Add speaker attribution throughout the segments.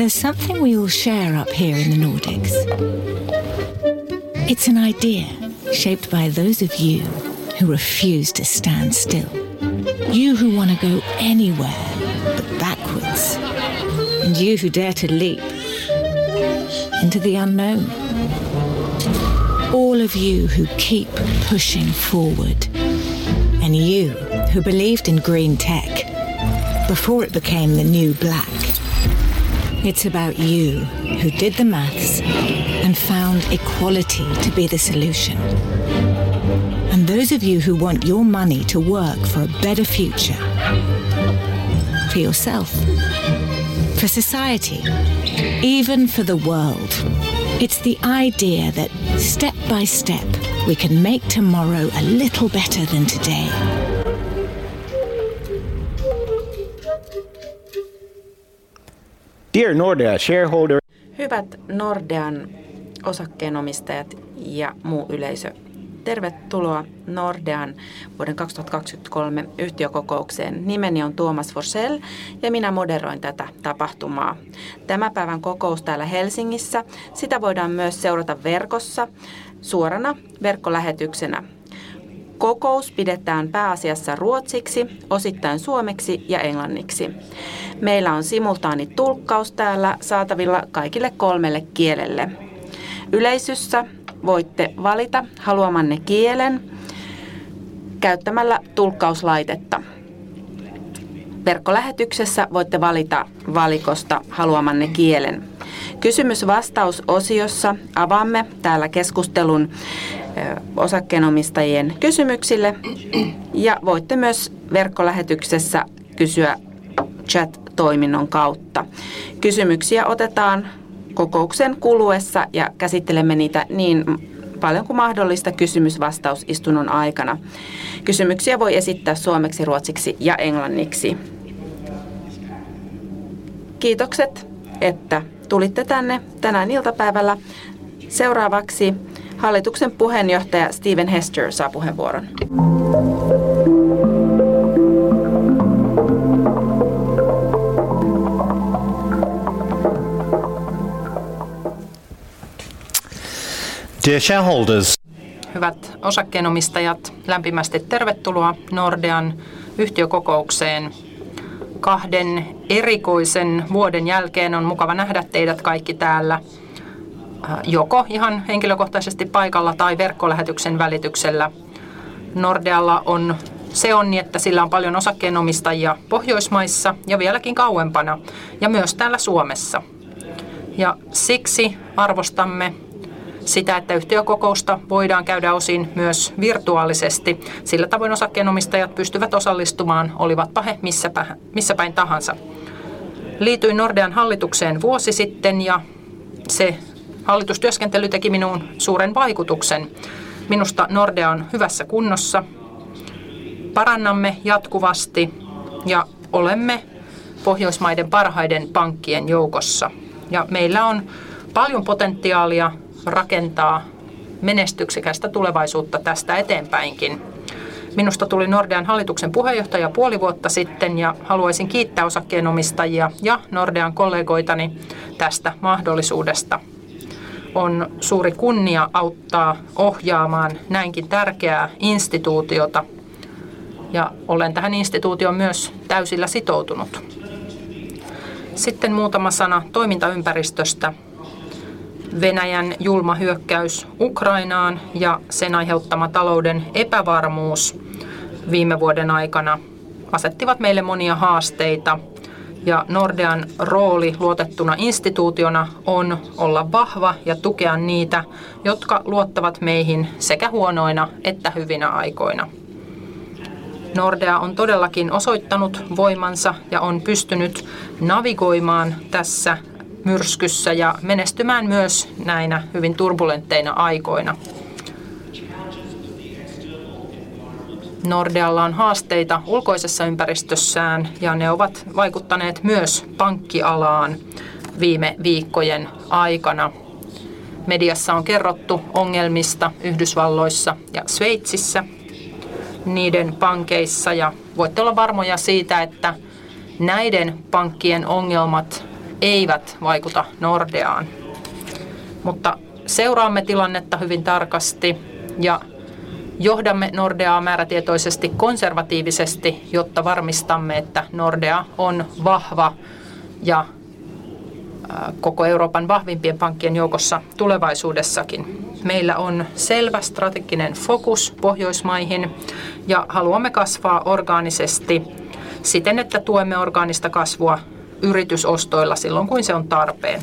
Speaker 1: There's something we all share up here in the Nordics. It's an idea shaped by those of you who refuse to stand still. You who wanna go anywhere but backwards. You who dare to leap into the unknown. All of you who keep pushing forward. You who believed in green tech before it became the new black. It's about you who did the math and found equality to be the solution. Those of you who want your money to work for a better future for yourself, for society, even for the world. It's the idea that step by step, we can make tomorrow a little better than today.
Speaker 2: Dear Nordea shareholder.
Speaker 3: Hyvät Nordean osakkeenomistajat ja muu yleisö. Tervetuloa Nordean vuoden 2023 yhtiökokoukseen. Nimeni on Tuomas Forsell ja minä moderoin tätä tapahtumaa. Tämän päivän kokous täällä Helsingissä. Sitä voidaan myös seurata verkossa suorana verkkolähetyksenä. Kokous pidetään pääasiassa ruotsiksi, osittain suomeksi ja englanniksi. Meillä on simultaanitulkkaus täällä saatavilla kaikille kolmelle kielelle. Yleisössä voitte valita haluamanne kielen käyttämällä tulkkauslaitetta. Verkkolähetyksessä voitte valita valikosta haluamanne kielen. Kysymys vastaus osiossa avaamme täällä keskustelun osakkeenomistajien kysymyksille ja voitte myös verkkolähetyksessä kysyä chat-toiminnon kautta. Kysymyksiä otetaan kokouksen kuluessa ja käsittelemme niitä niin paljon kuin mahdollista kysymys vastaus istunnon aikana. Kysymyksiä voi esittää suomeksi, ruotsiksi ja englanniksi. Kiitokset, että tulitte tänne tänään iltapäivällä. Seuraavaksi hallituksen puheenjohtaja Stephen Hester saa puheenvuoron.
Speaker 2: Dear shareholders.
Speaker 3: Hyvät osakkeenomistajat, lämpimästi tervetuloa Nordean yhtiökokoukseen. 2 erikoisen vuoden jälkeen on mukava nähdä teidät kaikki täällä joko ihan henkilökohtaisesti paikalla tai verkkolähetyksen välityksellä. Nordealla on se onni, että sillä on paljon osakkeenomistajia Pohjoismaissa ja vieläkin kauempana ja myös täällä Suomessa. Siksi arvostamme sitä, että yhtiökokousta voidaan käydä osin myös virtuaalisesti. Sillä tavoin osakkeenomistajat pystyvät osallistumaan, olivatpa he missä päin tahansa. Liityin Nordean hallitukseen vuosi sitten ja se hallitustyöskentely teki minuun suuren vaikutuksen. Minusta Nordea on hyvässä kunnossa. Parannamme jatkuvasti ja olemme Pohjoismaiden parhaiden pankkien joukossa ja meillä on paljon potentiaalia rakentaa menestyksekästä tulevaisuutta tästä eteenpäinkin. Minusta tuli Nordean hallituksen puheenjohtaja puoli vuotta sitten ja haluaisin kiittää osakkeenomistajia ja Nordean kollegoitani tästä mahdollisuudesta. On suuri kunnia auttaa ohjaamaan näinkin tärkeää instituutiota ja olen tähän instituutioon myös täysillä sitoutunut. Muutama sana toimintaympäristöstä. Venäjän julma hyökkäys Ukrainaan ja sen aiheuttama talouden epävarmuus viime vuoden aikana asettivat meille monia haasteita ja Nordean rooli luotettuna instituutiona on olla vahva ja tukea niitä, jotka luottavat meihin sekä huonoina että hyvinä aikoina. Nordea on todellakin osoittanut voimansa ja on pystynyt navigoimaan tässä myrskyssä ja menestymään myös näinä hyvin turbulentteina aikoina. Nordealla on haasteita ulkoisessa ympäristössään ja ne ovat vaikuttaneet myös pankkialaan viime viikkojen aikana. Mediassa on kerrottu ongelmista Yhdysvalloissa ja Sveitsissä niiden pankeissa. Voitte olla varmoja siitä, että näiden pankkien ongelmat eivät vaikuta Nordeaan. Seuraamme tilannetta hyvin tarkasti ja johdamme Nordeaa määrätietoisesti konservatiivisesti, jotta varmistamme, että Nordea on vahva ja koko Euroopan vahvimpien pankkien joukossa tulevaisuudessakin. Meillä on selvä strateginen fokus Pohjoismaihin ja haluamme kasvaa orgaanisesti siten, että tuemme orgaanista kasvua yritysostoilla silloin, kun se on tarpeen.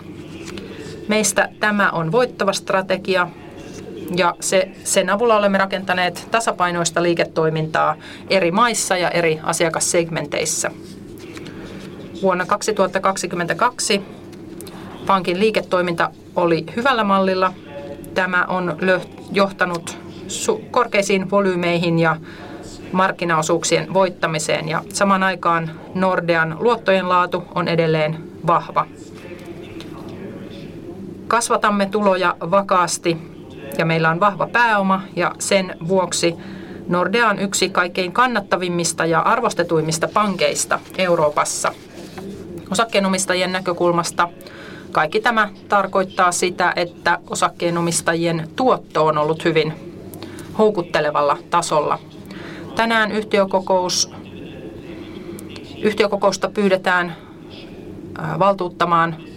Speaker 3: Meistä tämä on voittava strategia ja sen avulla olemme rakentaneet tasapainoista liiketoimintaa eri maissa ja eri asiakassegmenteissä. Vuonna 2022 pankin liiketoiminta oli hyvällä mallilla. Tämä on johtanut korkeisiin volyymeihin ja markkinaosuuksien voittamiseen ja samaan aikaan Nordean luottojen laatu on edelleen vahva. Kasvatamme tuloja vakaasti ja meillä on vahva pääoma ja sen vuoksi Nordea on yksi kaikkein kannattavimmista ja arvostetuimmista pankeista Euroopassa. Osakkeenomistajien näkökulmasta kaikki tämä tarkoittaa sitä, että osakkeenomistajien tuotto on ollut hyvin houkuttelevalla tasolla. Tänään yhtiökokous. Yhtiökokousta pyydetään valtuuttamaan hallitus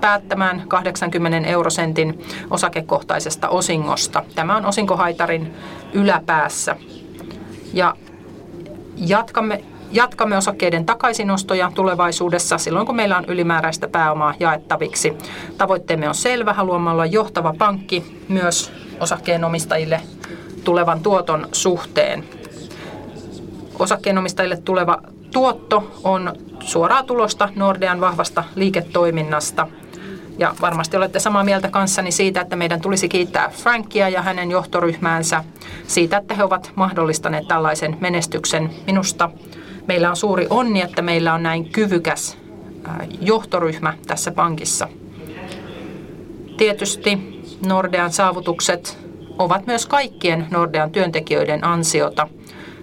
Speaker 3: päättämään 0.80 osakekohtaisesta osingosta. Tämä on osinkohaitarin yläpäässä ja jatkamme. Jatkamme osakkeiden takaisinostoja tulevaisuudessa silloin, kun meillä on ylimääräistä pääomaa jaettaviksi. Tavoitteemme on selvä. Haluamme olla johtava pankki myös osakkeenomistajille tulevan tuoton suhteen. Osakkeenomistajille tuleva tuotto on suoraa tulosta Nordean vahvasta liiketoiminnasta. Varmasti olette samaa mieltä kanssani siitä, että meidän tulisi kiittää Frankia ja hänen johtoryhmäänsä siitä, että he ovat mahdollistaneet tällaisen menestyksen. Minusta meillä on suuri onni, että meillä on näin kyvykäs johtoryhmä tässä pankissa. Tietysti Nordean saavutukset ovat myös kaikkien Nordean työntekijöiden ansiota.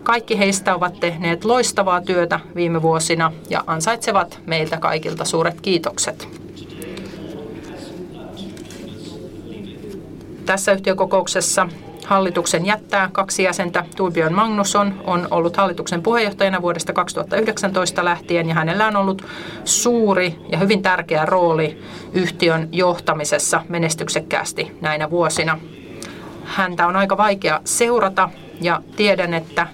Speaker 3: Kaikki heistä ovat tehneet loistavaa työtä viime vuosina ja ansaitsevat meiltä kaikilta suuret kiitokset. Tässä yhtiökokouksessa hallituksen jättää two jäsentä. Torbjörn Magnusson on ollut hallituksen puheenjohtajana vuodesta 2019 lähtien ja hänellä on ollut suuri ja hyvin tärkeä rooli yhtiön johtamisessa menestyksekkäästi näinä vuosina. Häntä on aika vaikea seurata ja tiedän, että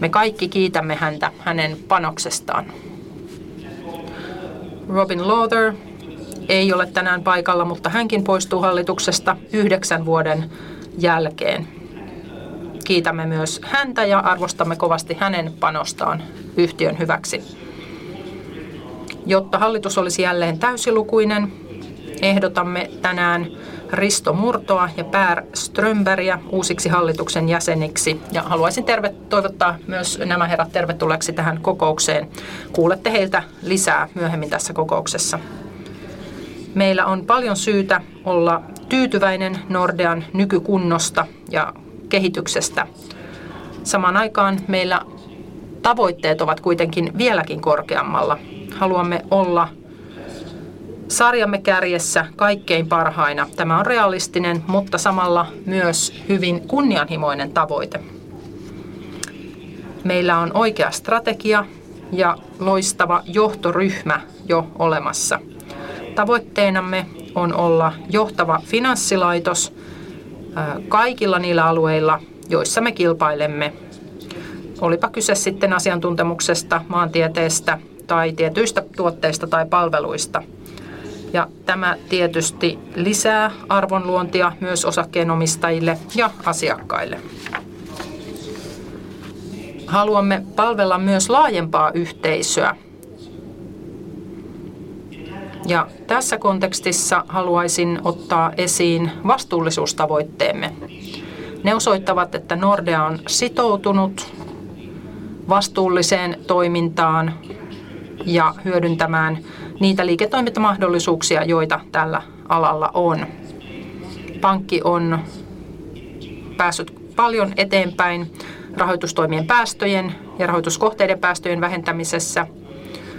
Speaker 3: me kaikki kiitämme häntä hänen panoksestaan. Robin Lawther ei ole tänään paikalla, mutta hänkin poistuu hallituksesta nine vuoden jälkeen. Kiitämme myös häntä ja arvostamme kovasti hänen panostaan yhtiön hyväksi. Jotta hallitus olisi jälleen täysilukuinen, ehdotamme tänään Risto Murtoa ja Per Strömbergiä uusiksi hallituksen jäseniksi ja haluaisin terve toivottaa myös nämä herrat tervetulleeksi tähän kokoukseen. Kuulette heiltä lisää myöhemmin tässä kokouksessa. Meillä on paljon syytä olla tyytyväinen Nordean nykykunnosta ja kehityksestä. Samaan aikaan meillä tavoitteet ovat kuitenkin vieläkin korkeammalla. Haluamme olla sarjamme kärjessä kaikkein parhaina. Tämä on realistinen, mutta samalla myös hyvin kunnianhimoinen tavoite. Meillä on oikea strategia ja loistava johtoryhmä jo olemassa. Tavoitteenamme on olla johtava finanssilaitos kaikilla niillä alueilla, joissa me kilpailemme, olipa kyse sitten asiantuntemuksesta, maantieteestä tai tietyistä tuotteista tai palveluista. Tämä tietysti lisää arvonluontia myös osakkeenomistajille ja asiakkaille. Haluamme palvella myös laajempaa yhteisöä. Tässä kontekstissa haluaisin ottaa esiin vastuullisuustavoitteemme. Ne osoittavat, että Nordea on sitoutunut vastuulliseen toimintaan ja hyödyntämään niitä liiketoimintamahdollisuuksia, joita tällä alalla on. Pankki on päässyt paljon eteenpäin rahoitustoimien päästöjen ja rahoituskohteiden päästöjen vähentämisessä,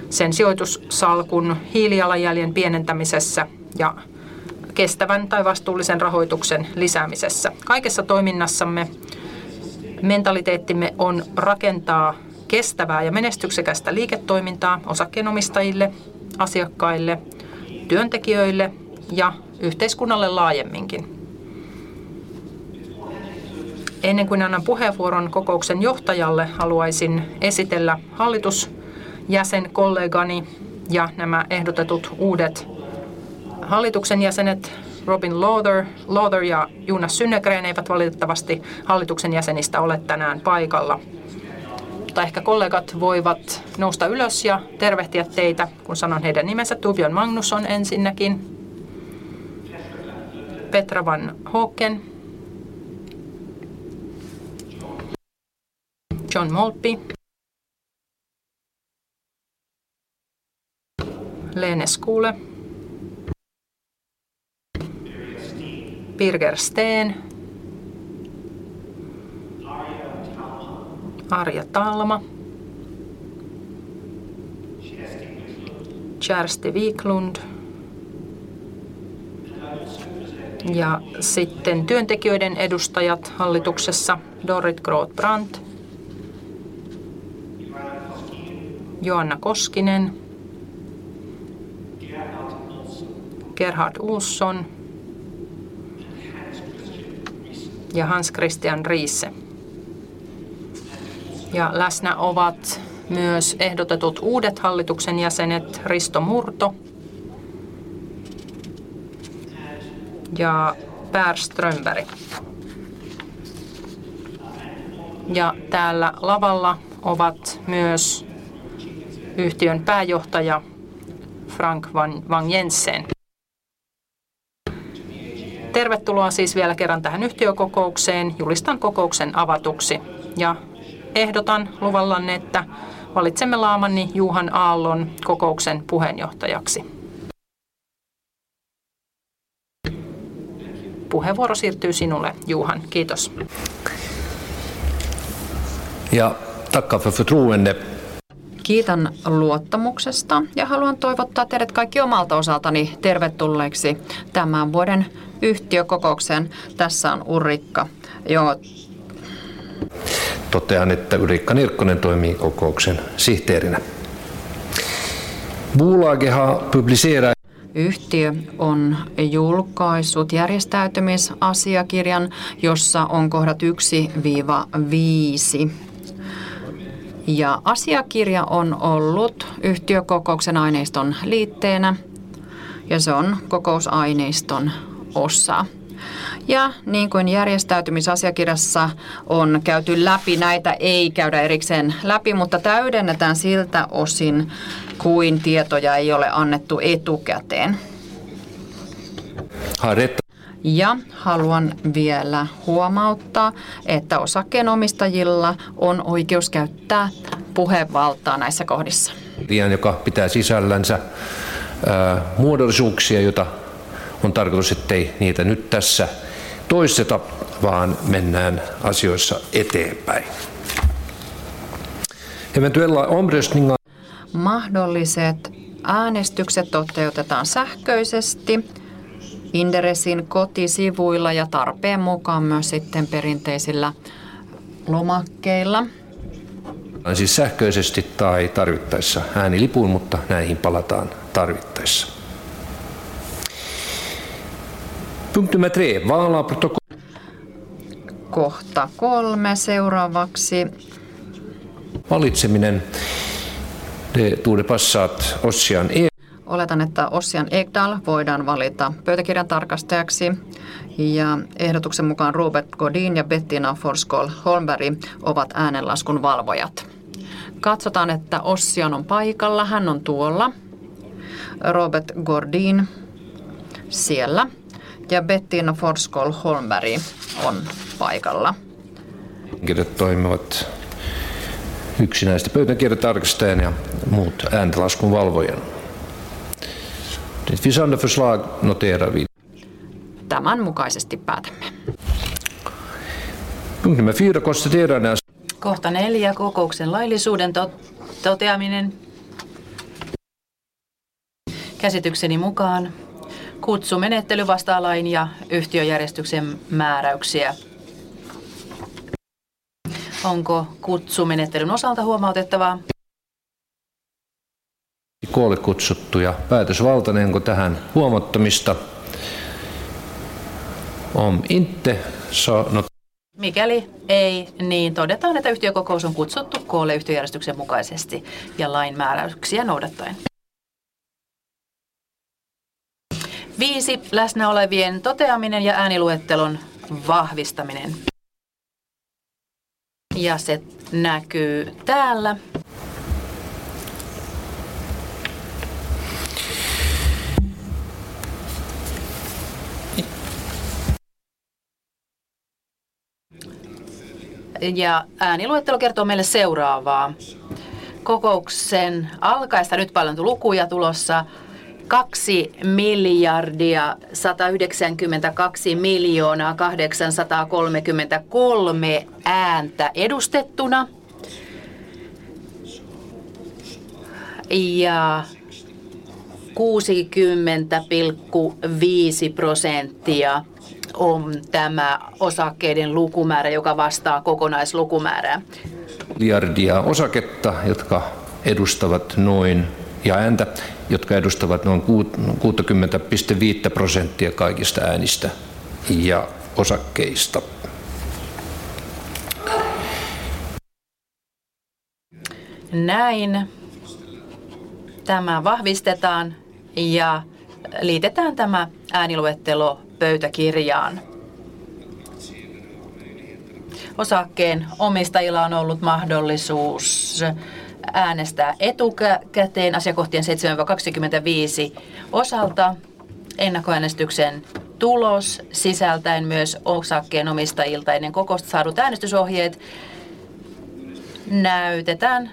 Speaker 3: sen sijoitussalkun hiilijalanjäljen pienentämisessä ja kestävän tai vastuullisen rahoituksen lisäämisessä. Kaikessa toiminnassamme mentaliteettimme on rakentaa kestävää ja menestyksekästä liiketoimintaa osakkeenomistajille, asiakkaille, työntekijöille ja yhteiskunnalle laajemminkin. Ennen kuin annan puheenvuoron kokouksen johtajalle, haluaisin esitellä hallitusjäsenkollegani ja nämä ehdotetut uudet hallituksen jäsenet Robin Lawther ja Jonas Synnergren eivät valitettavasti hallituksen jäsenistä ole tänään paikalla, mutta ehkä kollegat voivat nousta ylös ja tervehtiä teitä, kun sanon heidän nimensä. Torbjörn Magnusson ensinnäkin. Petra van Hoeken. John Maltby. Lene Skole. Birger Steen. Arja Talma. Kjersti Wiklund. Sitten työntekijöiden edustajat hallituksessa. Dorrit Groth Brandt. Joanna Koskinen. Gerhard Olsson. Hans Christian Riise. Läsnä ovat myös ehdotetut uudet hallituksen jäsenet Risto Murto. Per Strömberg. Täällä lavalla ovat myös yhtiön pääjohtaja Frank Vang-Jensen.
Speaker 4: Tervetuloa siis vielä kerran tähän yhtiökokoukseen. Julistan kokouksen avatuksi ja ehdotan luvallanne, että valitsemme Laamanni Johan Aalto kokouksen puheenjohtajaksi. Puheenvuoro siirtyy sinulle Johan. Kiitos.
Speaker 5: Ja tacka för förtroende.
Speaker 4: Kiitän luottamuksesta ja haluan toivottaa teidät kaikki omalta osaltani tervetulleeksi tämän vuoden yhtiökokoukseen. Tässä on Ulrika jo.
Speaker 5: Totean, että Ulrika Nirkkonen toimii kokouksen sihteerinä. Bolaget har publicerat.
Speaker 4: Yhtiö on julkaissut järjestäytymisasiakirjan, jossa on kohdat 1-5 ja asiakirja on ollut yhtiökokouksen aineiston liitteenä ja se on kokousaineiston osa. Niin kuin järjestäytymisasiakirjassa on käyty läpi, näitä ei käydä erikseen läpi, mutta täydennetään siltä osin kuin tietoja ei ole annettu etukäteen.
Speaker 5: Har rätt.
Speaker 4: Haluan vielä huomauttaa, että osakkeenomistajilla on oikeus käyttää puhevaltaa näissä kohdissa.
Speaker 5: Joka pitää sisällänsä muodollisuuksia, joita on tarkoitus, ettei niitä nyt tässä toisteta, vaan mennään asioissa eteenpäin. Eventuella omröstningar.
Speaker 4: Mahdolliset äänestykset toteutetaan sähköisesti Inderesin kotisivuilla ja tarpeen mukaan myös sitten perinteisillä lomakkeilla.
Speaker 5: Siis sähköisesti tai tarvittaessa äänilipuin, mutta näihin palataan tarvittaessa. Punkt nummer 3 val av protokoll.
Speaker 4: Kohta kolme seuraavaksi.
Speaker 5: Valitseminen. Det torde passa att Ossian Ek.
Speaker 4: Oletan, että Ossian Ekdahl voidaan valita pöytäkirjantarkastajaksi ja ehdotuksen mukaan Robert Godin ja Bettina Forsskåhl-Holmberg ovat äänenlaskun valvojat. Katsotaan, että Ossian on paikalla. Hän on tuolla, Robert Gordin siellä ja Bettina Forsskåhl-Holmberg on paikalla.
Speaker 5: Ketkä toimivat yksinäistä pöytäkirjantarkastajan ja muut ääntenlaskun valvojan. Det vi andra förslag notera vi.
Speaker 4: Tämän mukaisesti päätämme.
Speaker 5: Punkt nummer 4 konstaterande.
Speaker 4: Kohta neljä kokouksen laillisuuden toteaminen. Käsitykseni mukaan kutsumenettely vastaa lain ja yhtiöjärjestyksen määräyksiä. Onko kutsumenettelyn osalta huomautettavaa?
Speaker 5: Koolle kutsuttu ja päätösvaltainen. Onko tähän huomauttamista? Om inte, så not.
Speaker 4: Mikäli ei, niin todetaan, että yhtiökokous on kutsuttu koolle yhtiöjärjestyksen mukaisesti ja lain määräyksiä noudattaen. 5. Läsnäolevien toteaminen ja ääniluettelon vahvistaminen. Se näkyy täällä. Ääniluettelo kertoo meille seuraavaa. Kokouksen alkaessa nyt paljon lukuja tulossa 2,192,000,833 ääntä edustettuna. 60.5% on tämä osakkeiden lukumäärä, joka vastaa kokonaislukumäärää.
Speaker 5: Miljardia osaketta, jotka edustavat noin ja ääntä, jotka edustavat noin 60.5% kaikista äänistä ja osakkeista.
Speaker 4: Näin tämä vahvistetaan ja liitetään tämä ääniluettelo pöytäkirjaan. Osakkeenomistajilla on ollut mahdollisuus äänestää etukäteen asiakohtien 7-25 osalta. Ennakkoäänestyksen tulos sisältäen myös osakkeenomistajilta ennen kokousta saadut äänestysohjeet näytetään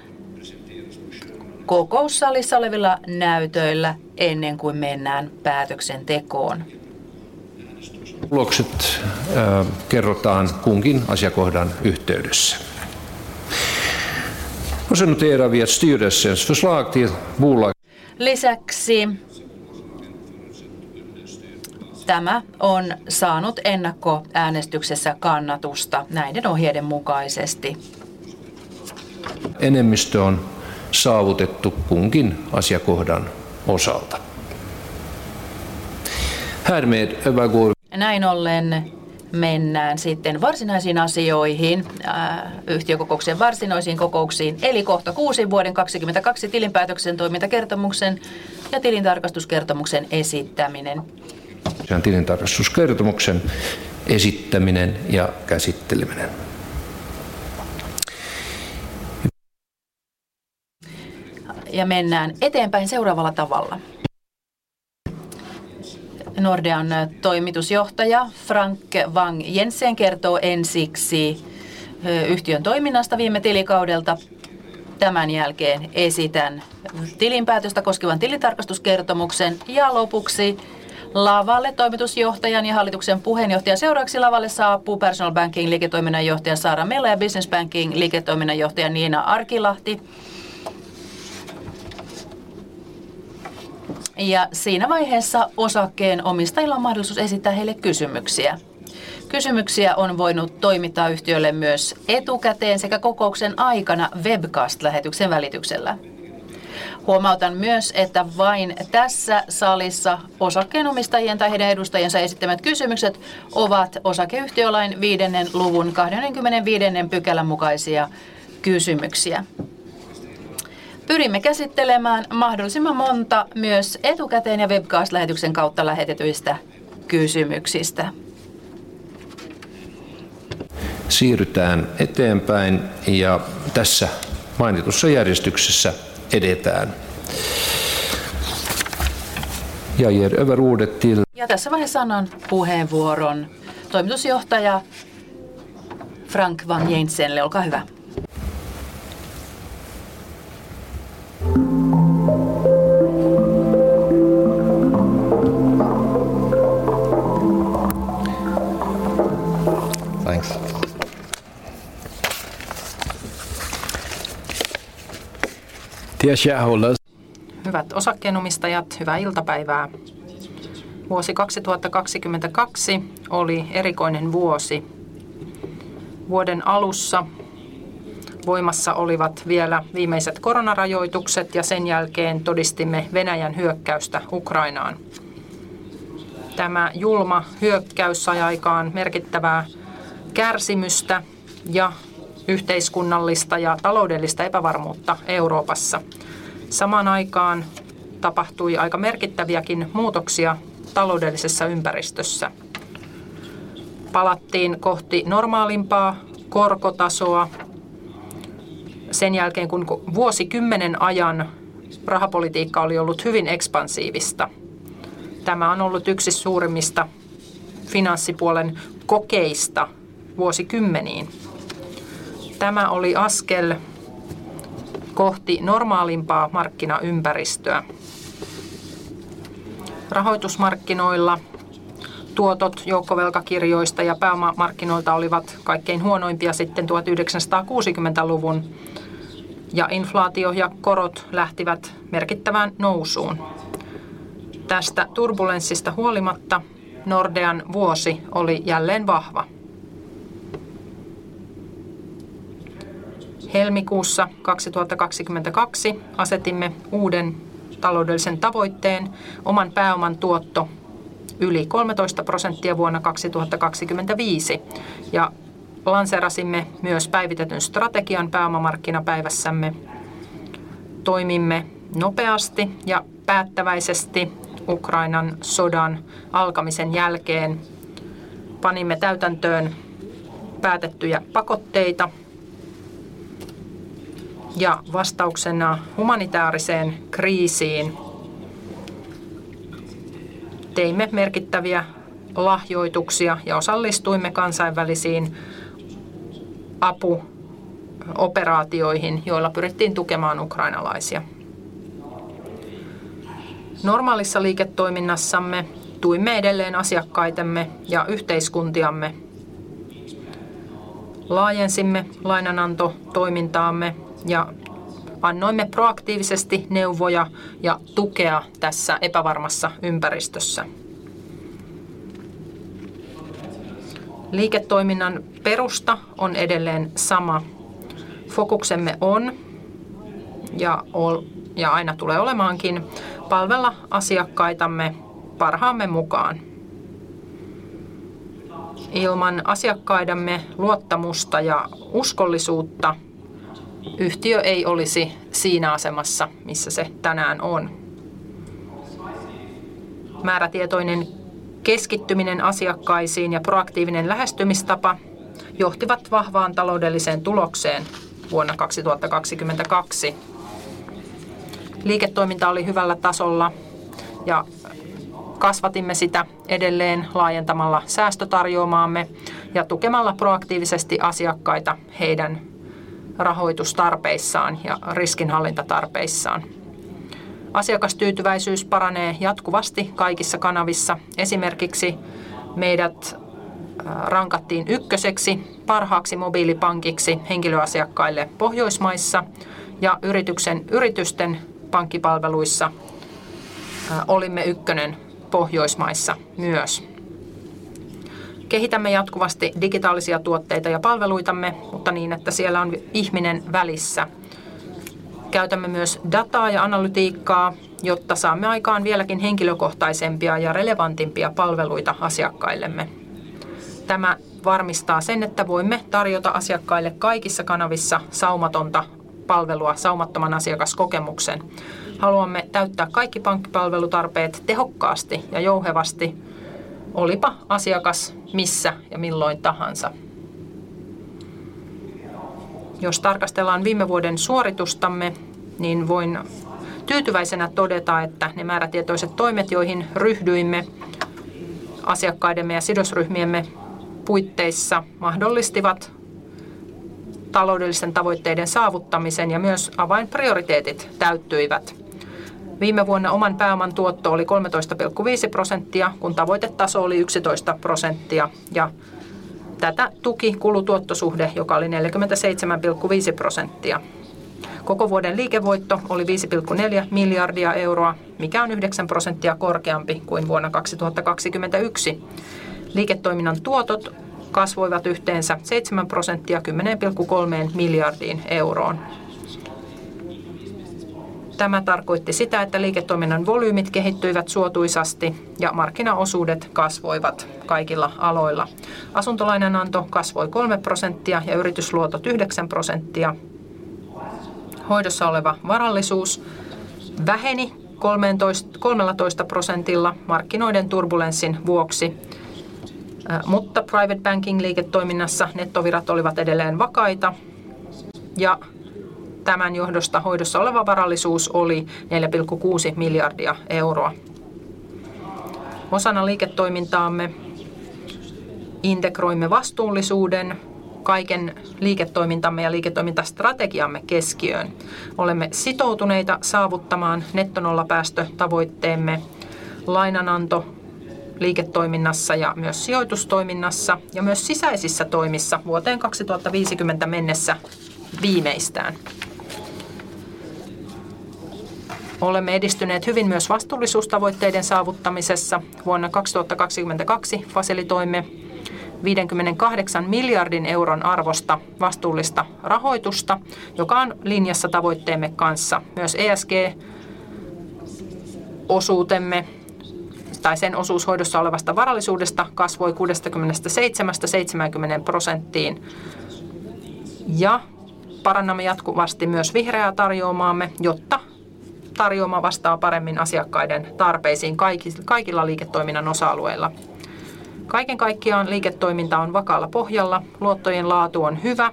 Speaker 4: kokoussalissa olevilla näytöillä ennen kuin mennään päätöksentekoon.
Speaker 5: Tulokset kerrotaan kunkin asiakohdan yhteydessä. Då noterar vi att styrelsens förslag till bolag.
Speaker 4: Lisäksi tämä on saanut ennakkoäänestyksessä kannatusta näiden ohjeiden mukaisesti.
Speaker 5: Enemmistö on saavutettu kunkin asiakohdan osalta. Härmed övergår.
Speaker 4: Näin ollen mennään sitten varsinaisiin asioihin yhtiökokouksen varsinaisiin kokouksiin eli kohta 6 vuoden 2022 tilinpäätöksen, toimintakertomuksen ja tilintarkastuskertomuksen esittäminen.
Speaker 5: Tilintarkastuskertomuksen esittäminen ja käsitteleminen.
Speaker 6: Mennään eteenpäin seuraavalla tavalla. Nordean Toimitusjohtaja Frank Vang-Jensen kertoo ensiksi yhtiön toiminnasta viime tilikaudelta. Tämän jälkeen esitän tilinpäätöstä koskevan tilintarkastuskertomuksen ja lopuksi lavalle toimitusjohtajan ja hallituksen puheenjohtajan seuraksi lavalle saapuu Personal Banking Liiketoiminnan Johtaja Saara Mella ja Business Banking Liiketoiminnan Johtaja Nina Arkilahti. Siinä vaiheessa osakkeenomistajilla on mahdollisuus esittää heille kysymyksiä. Kysymyksiä on voinut toimittaa yhtiölle myös etukäteen sekä kokouksen aikana webcast lähetyksen välityksellä. Huomautan myös, että vain tässä salissa osakkeenomistajien tai heidän edustajansa esittämät kysymykset ovat osakeyhtiölain viidennen luvun kahdennenkymmenenviidennen pykälän mukaisia kysymyksiä. Pyrimme käsittelemään mahdollisimman monta myös etukäteen ja webcast lähetyksen kautta lähetetyistä kysymyksistä.
Speaker 5: Siirrytään eteenpäin ja tässä mainitussa järjestyksessä edetään. Jag ger över ordet till.
Speaker 6: Tässä vaiheessa annan puheenvuoron Toimitusjohtaja Frank Vang-Jensenille, olkaa hyvä.
Speaker 2: Thanks. Dear shareholders.
Speaker 6: Hyvät osakkeenomistajat, hyvää iltapäivää! Vuosi 2022 oli erikoinen vuosi. Vuoden alussa voimassa olivat vielä viimeiset koronarajoitukset. Sen jälkeen todistimme Venäjän hyökkäystä Ukrainaan. Tämä julma hyökkäys sai aikaan merkittävää kärsimystä ja yhteiskunnallista ja taloudellista epävarmuutta Euroopassa. Samaan aikaan tapahtui aika merkittäviäkin muutoksia taloudellisessa ympäristössä. Palattiin kohti normaalimpaa korkotasoa sen jälkeen, kun vuosi 10 ajan rahapolitiikka oli ollut hyvin ekspansiivista. Tämä on ollut yksi suurimmista finanssipuolen kokeista vuosikymmeniin. Tämä oli askel kohti normaalimpaa markkinaympäristöä. Rahoitusmarkkinoilla tuotot joukkovelkakirjoista ja pääomamarkkinoilta olivat kaikkein huonoimpia sitten 1960s. Inflaatio ja korot lähtivät merkittävään nousuun. Tästä turbulenssista huolimatta Nordean vuosi oli jälleen vahva. Helmikuussa 2022 asetimme uuden taloudellisen tavoitteen. Oman pääoman tuotto yli 13% vuonna 2025. Lanseerasimme myös päivitetyn strategian pääomamarkkinapäivässämme. Toimimme nopeasti ja päättäväisesti Ukrainan sodan alkamisen jälkeen panimme täytäntöön päätettyjä pakotteita. Vastauksena humanitaariseen kriisiin teimme merkittäviä lahjoituksia ja osallistuimme kansainvälisiin apuoperaatioihin, joilla pyrittiin tukemaan ukrainalaisia. Normaalissa liiketoiminnassamme tuimme edelleen asiakkaitamme ja yhteiskuntiamme. Laajensimme lainanantotoimintaamme ja annoimme proaktiivisesti neuvoja ja tukea tässä epävarmassa ympäristössä. Liiketoiminnan perusta on edelleen sama. Fokuksemme on ja aina tulee olemaankin palvella asiakkaitamme parhaamme mukaan. Ilman asiakkaidemme luottamusta ja uskollisuutta yhtiö ei olisi siinä asemassa, missä se tänään on. Määrätietoinen keskittyminen asiakkaisiin ja proaktiivinen lähestymistapa johtivat vahvaan taloudelliseen tulokseen vuonna 2022. Liiketoiminta oli hyvällä tasolla ja kasvatimme sitä edelleen laajentamalla säästötarjoamaamme ja tukemalla proaktiivisesti asiakkaita heidän rahoitustarpeissaan ja riskinhallintatarpeissaan. Asiakastyytyväisyys paranee jatkuvasti kaikissa kanavissa. Esimerkiksi meidät rankattiin ykköseksi parhaaksi mobiilipankiksi henkilöasiakkaille Pohjoismaissa ja yritysten pankkipalveluissa olimme ykkönen Pohjoismaissa myös. Kehitämme jatkuvasti digitaalisia tuotteita ja palveluitamme, mutta niin, että siellä on ihminen välissä. Käytämme myös dataa ja analytiikkaa, jotta saamme aikaan vieläkin henkilökohtaisempia ja relevantimpia palveluita asiakkaillemme. Tämä varmistaa sen, että voimme tarjota asiakkaille kaikissa kanavissa saumatonta palvelua saumattoman asiakaskokemuksen. Haluamme täyttää kaikki pankkipalvelutarpeet tehokkaasti ja jouhevasti, olipa asiakas missä ja milloin tahansa.
Speaker 3: Jos tarkastellaan viime vuoden suoritustamme, niin voin tyytyväisenä todeta, että ne määrätietoiset toimet, joihin ryhdyimme asiakkaidemme ja sidosryhmiemme puitteissa mahdollistivat taloudellisten tavoitteiden saavuttamisen ja myös avainprioriteetit täyttyivät. Viime vuonna oman pääoman tuotto oli 13.5%, kun tavoitetaso oli 11% ja tätä tuki kulutuottosuhde, joka oli 47.5%. Koko vuoden liikevoitto oli 5.4 billion, mikä on 9% korkeampi kuin vuonna 2021. Liiketoiminnan tuotot kasvoivat yhteensä 7% 10.3 miljardiin euroon. Tämä tarkoitti sitä, että liiketoiminnan volyymit kehittyivät suotuisasti ja markkinaosuudet kasvoivat kaikilla aloilla. Asuntolainananto kasvoi 3% ja yritysluotot 9%. Hoidossa oleva varallisuus väheni 13% markkinoiden turbulenssin vuoksi, mutta Private Banking liiketoiminnassa nettovirrat olivat edelleen vakaita ja tämän johdosta hoidossa oleva varallisuus oli 4.6 billion. Osana liiketoimintaamme integroimme vastuullisuuden kaiken liiketoimintamme ja liiketoimintastrategiamme keskiöön. Olemme sitoutuneita saavuttamaan nettonollapäästötavoitteemme lainanantoliiketoiminnassa ja myös sijoitustoiminnassa ja myös sisäisissä toimissa vuoteen 2050 mennessä viimeistään. Olemme edistyneet hyvin myös vastuullisuustavoitteiden saavuttamisessa. Vuonna 2022 fasilitoimme EUR 58 billion arvosta vastuullista rahoitusta, joka on linjassa tavoitteemme kanssa. Myös ESG-osuutemme tai sen osuus hoidossa olevasta varallisuudesta kasvoi 67%-70% ja parannamme jatkuvasti myös vihreää tarjoamaamme, jotta tarjoama vastaa paremmin asiakkaiden tarpeisiin kaikilla liiketoiminnan osa-alueilla. Kaiken kaikkiaan liiketoiminta on vakaalla pohjalla. Luottojen laatu on hyvä.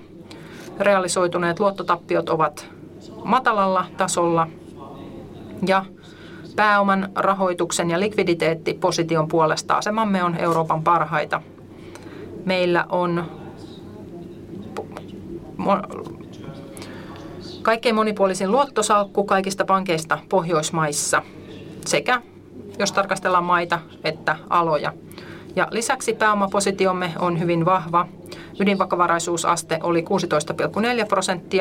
Speaker 3: Realisoituneet luottotappiot ovat matalalla tasolla ja pääoman, rahoituksen ja likviditeettiposition puolesta asemamme on Euroopan parhaita. Meillä on kaikkein monipuolisin luottosalkku kaikista pankeista Pohjoismaissa sekä jos tarkastellaan maita että aloja ja lisäksi pääomaposiotiomme on hyvin vahva. Ydinvakaavaraisuusaste oli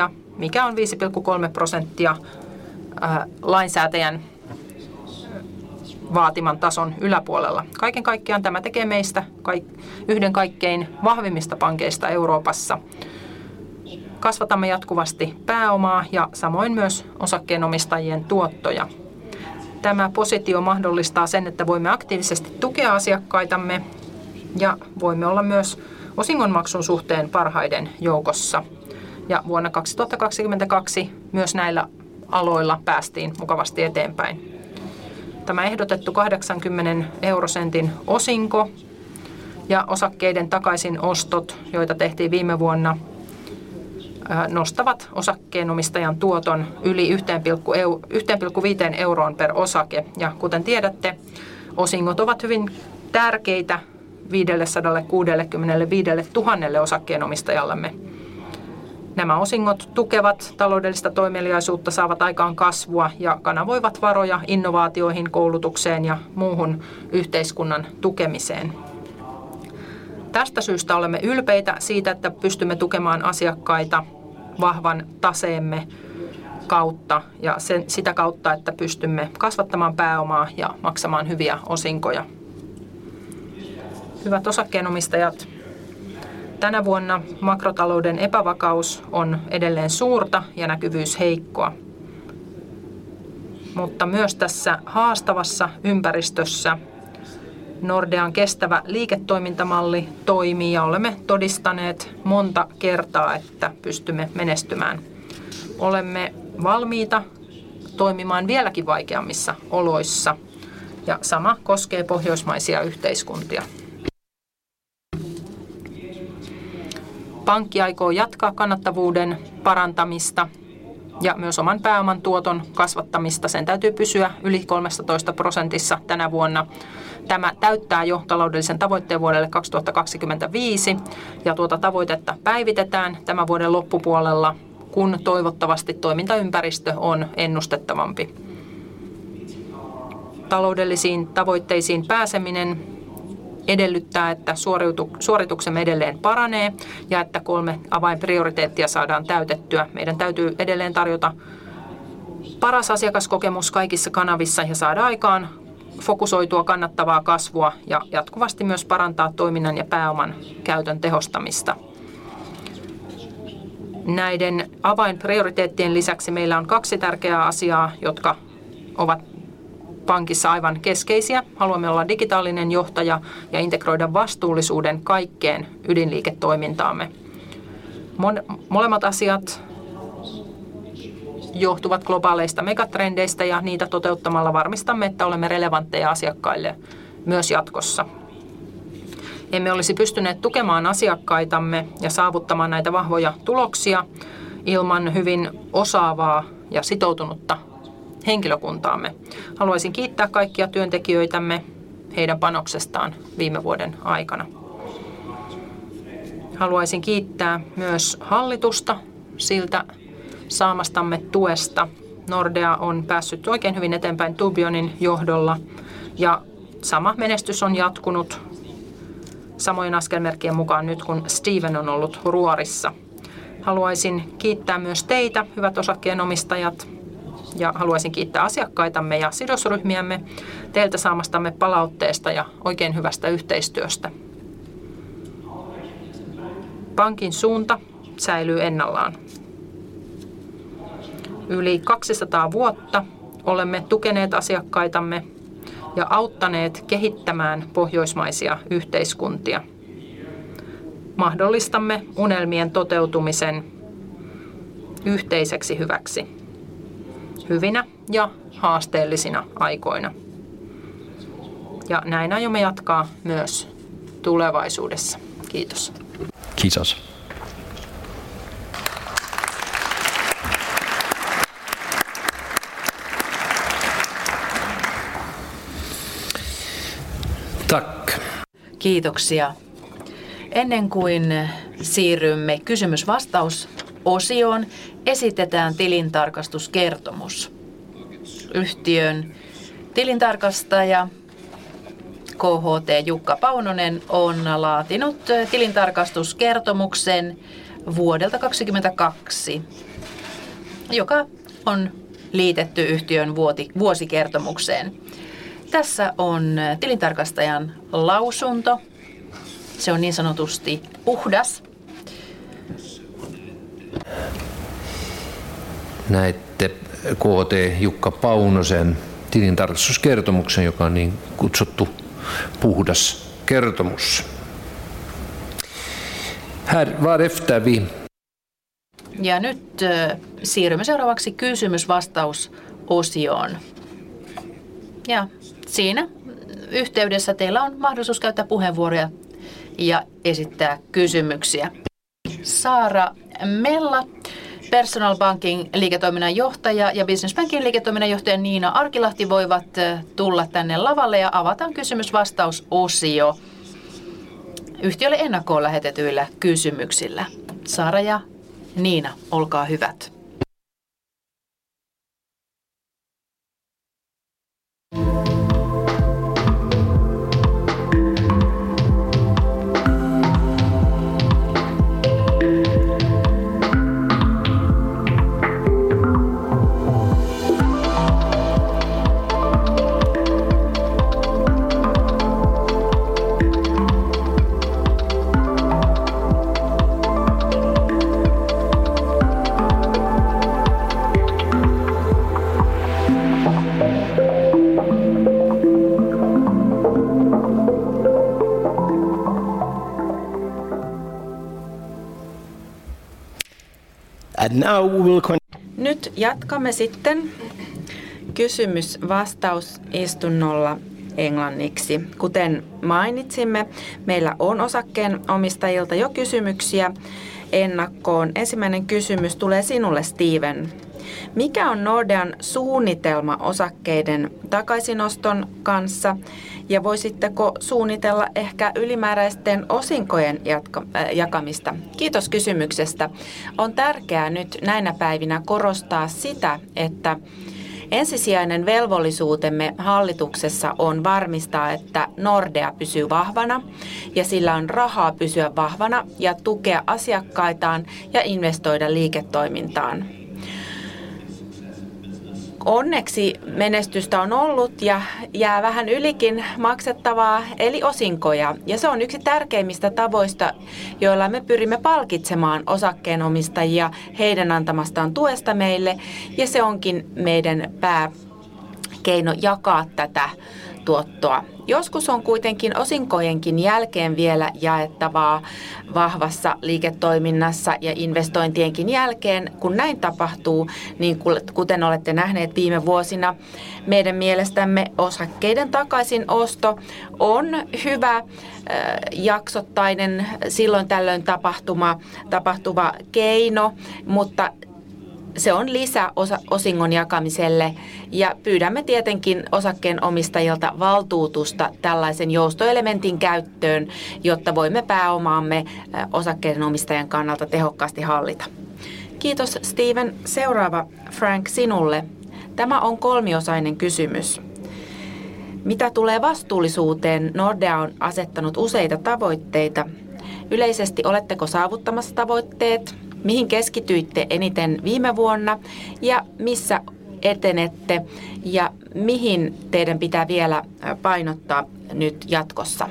Speaker 3: 16.4%, mikä on 5.3% lainsäätäjän vaatiman tason yläpuolella. Kaiken kaikkiaan tämä tekee meistä yhden kaikkein vahvimmista pankeista Euroopassa. Kasvatamme jatkuvasti pääomaa ja samoin myös osakkeenomistajien tuottoja. Tämä positio mahdollistaa sen, että voimme aktiivisesti tukea asiakkaitamme ja voimme olla myös osingonmaksun suhteen parhaiden joukossa. Vuonna 2022 myös näillä aloilla päästiin mukavasti eteenpäin. Tämä ehdotettu 0.80 osinko ja osakkeiden takaisinostot, joita tehtiin viime vuonna, nostavat osakkeenomistajan tuoton yli 1.50 per osake. Kuten tiedätte, osingot ovat hyvin tärkeitä 565,000 osakkeenomistajallemme. Nämä osingot tukevat taloudellista toimeliaisuutta, saavat aikaan kasvua ja kanavoivat varoja innovaatioihin, koulutukseen ja muuhun yhteiskunnan tukemiseen. Tästä syystä olemme ylpeitä siitä, että pystymme tukemaan asiakkaita vahvan taseemme kautta ja sen sitä kautta, että pystymme kasvattamaan pääomaa ja maksamaan hyviä osinkoja. Hyvät osakkeenomistajat! Tänä vuonna makrotalouden epävakaus on edelleen suurta ja näkyvyys heikkoa, mutta myös tässä haastavassa ympäristössä Nordean kestävä liiketoimintamalli toimii ja olemme todistaneet monta kertaa, että pystymme menestymään. Olemme valmiita toimimaan vieläkin vaikeammissa oloissa ja sama koskee pohjoismaisia yhteiskuntia. Pankki aikoo jatkaa kannattavuuden parantamista ja myös oman pääoman tuoton kasvattamista. Sen täytyy pysyä yli 13% tänä vuonna. Tämä täyttää jo taloudellisen tavoitteen vuodelle 2025 ja tuota tavoitetta päivitetään tämän vuoden loppupuolella, kun toivottavasti toimintaympäristö on ennustettavampi. Taloudellisiin tavoitteisiin pääseminen edellyttää, että suorituksemme edelleen paranee ja että kolme avainprioriteettia saadaan täytettyä. Meidän täytyy edelleen tarjota paras asiakaskokemus kaikissa kanavissa ja saada aikaan fokusoitua kannattavaa kasvua ja jatkuvasti myös parantaa toiminnan ja pääoman käytön tehostamista. Näiden avainprioriteettien lisäksi meillä on kaksi tärkeää asiaa, jotka ovat pankissa aivan keskeisiä. Haluamme olla digitaalinen johtaja ja integroida vastuullisuuden kaikkeen ydinliiketoimintaamme. Molemat asiat johtuvat globaaleista megatrendeistä ja niitä toteuttamalla varmistamme, että olemme relevantteja asiakkaille myös jatkossa. Emme olisi pystyneet tukemaan asiakkaitamme ja saavuttamaan näitä vahvoja tuloksia ilman hyvin osaavaa ja sitoutunutta henkilökuntaamme. Haluaisin kiittää kaikkia työntekijöitämme heidän panoksestaan viime vuoden aikana. Haluaisin kiittää myös hallitusta siltä saamastamme tuesta. Nordea on päässyt oikein hyvin eteenpäin Tubionin johdolla ja sama menestys on jatkunut samojen askelmerkkien mukaan nyt kun Steven on ollut ruorissa. Haluaisin kiittää myös teitä hyvät osakkeenomistajat ja haluaisin kiittää asiakkaitamme ja sidosryhmiämme teiltä saamastamme palautteesta ja oikein hyvästä yhteistyöstä. Pankin suunta säilyy ennallaan. Yli 200 vuotta olemme tukeneet asiakkaitamme ja auttaneet kehittämään pohjoismaisia yhteiskuntia. Mahdollistamme unelmien toteutumisen yhteiseksi hyväksi hyvinä ja haasteellisina aikoina. Näin aiomme jatkaa myös tulevaisuudessa. Kiitos, kiitos!
Speaker 5: Tack!
Speaker 3: Kiitoksia! Ennen kuin siirrymme kysymys vastaus osioon, esitetään tilintarkastuskertomus. Yhtiön tilintarkastaja KHT Jukka Paunonen on laatinut tilintarkastuskertomuksen vuodelta 22, joka on liitetty yhtiön vuosikertomukseen. Tässä on tilintarkastajan lausunto. Se on niin sanotusti puhdas.
Speaker 5: Näette KHT Jukka Paunosen tilintarkastuskertomuksen, joka on niin kutsuttu puhdas kertomus. Här varefter vi.
Speaker 3: Nyt siirrymme seuraavaksi kysymys vastaus osioon ja siinä yhteydessä teillä on mahdollisuus käyttää puheenvuoroja ja esittää kysymyksiä. Saara Mella Personal Banking Liiketoiminnan Johtaja ja Business Banking Liiketoiminnan Johtaja Nina Arkilahti voivat tulla tänne lavalle ja avataan kysymys vastausosio yhtiölle ennakkoon lähetetyillä kysymyksillä. Saara ja Nina, olkaa hyvät!
Speaker 5: now.
Speaker 3: Nyt jatkamme sitten kysymys vastaus istunnolla englanniksi. Kuten mainitsimme, meillä on osakkeenomistajilta jo kysymyksiä ennakkoon. Ensimmäinen kysymys tulee sinulle Stephen Hester. Mikä on Nordean suunnitelma osakkeiden takaisinoston kanssa ja voisitteko suunnitella ehkä ylimääräisten osinkojen jatka jakamista? Kiitos kysymyksestä. On tärkeää nyt näinä päivinä korostaa sitä, että ensisijainen velvollisuutemme hallituksessa on varmistaa, että Nordea pysyy vahvana ja sillä on rahaa pysyä vahvana ja tukea asiakkaitaan ja investoida liiketoimintaan. Onneksi menestystä on ollut ja jää vähän ylikin maksettavaa eli osinkoja. Se on yksi tärkeimmistä tavoista, joilla me pyrimme palkitsemaan osakkeenomistajia heidän antamastaan tuesta meille. Se onkin meidän pääkeino jakaa tätä tuottoa. Joskus on kuitenkin osinkojenkin jälkeen vielä jaettavaa vahvassa liiketoiminnassa ja investointienkin jälkeen. Kun näin tapahtuu, niin kuten olette nähneet viime vuosina, meidän mielestämme osakkeiden takaisinosto on hyvä jaksottainen, silloin tällöin tapahtuva keino, mutta se on lisä osingon jakamiselle. Pyydämme tietenkin osakkeenomistajilta valtuutusta tällaisen joustoelementin käyttöön, jotta voimme pääomaamme osakkeenomistajan kannalta tehokkaasti hallita. Kiitos Steven! Seuraava Frank sinulle. Tämä on kolmiosainen kysymys. Mitä tulee vastuullisuuteen, Nordea on asettanut useita tavoitteita. Yleisesti oletteko saavuttamassa tavoitteet? Mihin keskityitte eniten viime vuonna ja missä etenette ja mihin teidän pitää vielä painottaa nyt jatkossa?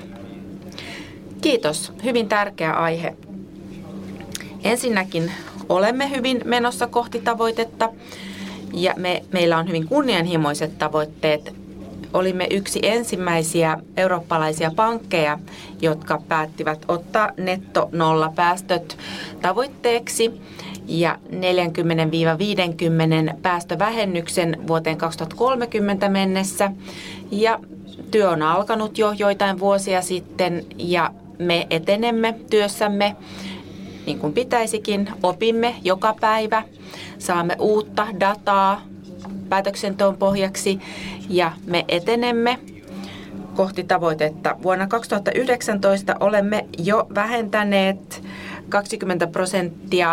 Speaker 3: Kiitos! Hyvin tärkeä aihe. Ensinnäkin olemme hyvin menossa kohti tavoitetta.
Speaker 7: Meillä on hyvin kunnianhimoiset tavoitteet. Olimme yksi ensimmäisiä eurooppalaisia pankkeja, jotka päättivät ottaa nettonollapäästöt tavoitteeksi ja 40-50 päästövähennyksen vuoteen 2030 mennessä. Työ on alkanut jo joitain vuosia sitten ja me etenemme työssämme niin kuin pitäisikin. Opimme joka päivä. Saamme uutta dataa päätöksenteon pohjaksi ja me etenemme kohti tavoitetta. Vuonna 2019 olemme jo vähentäneet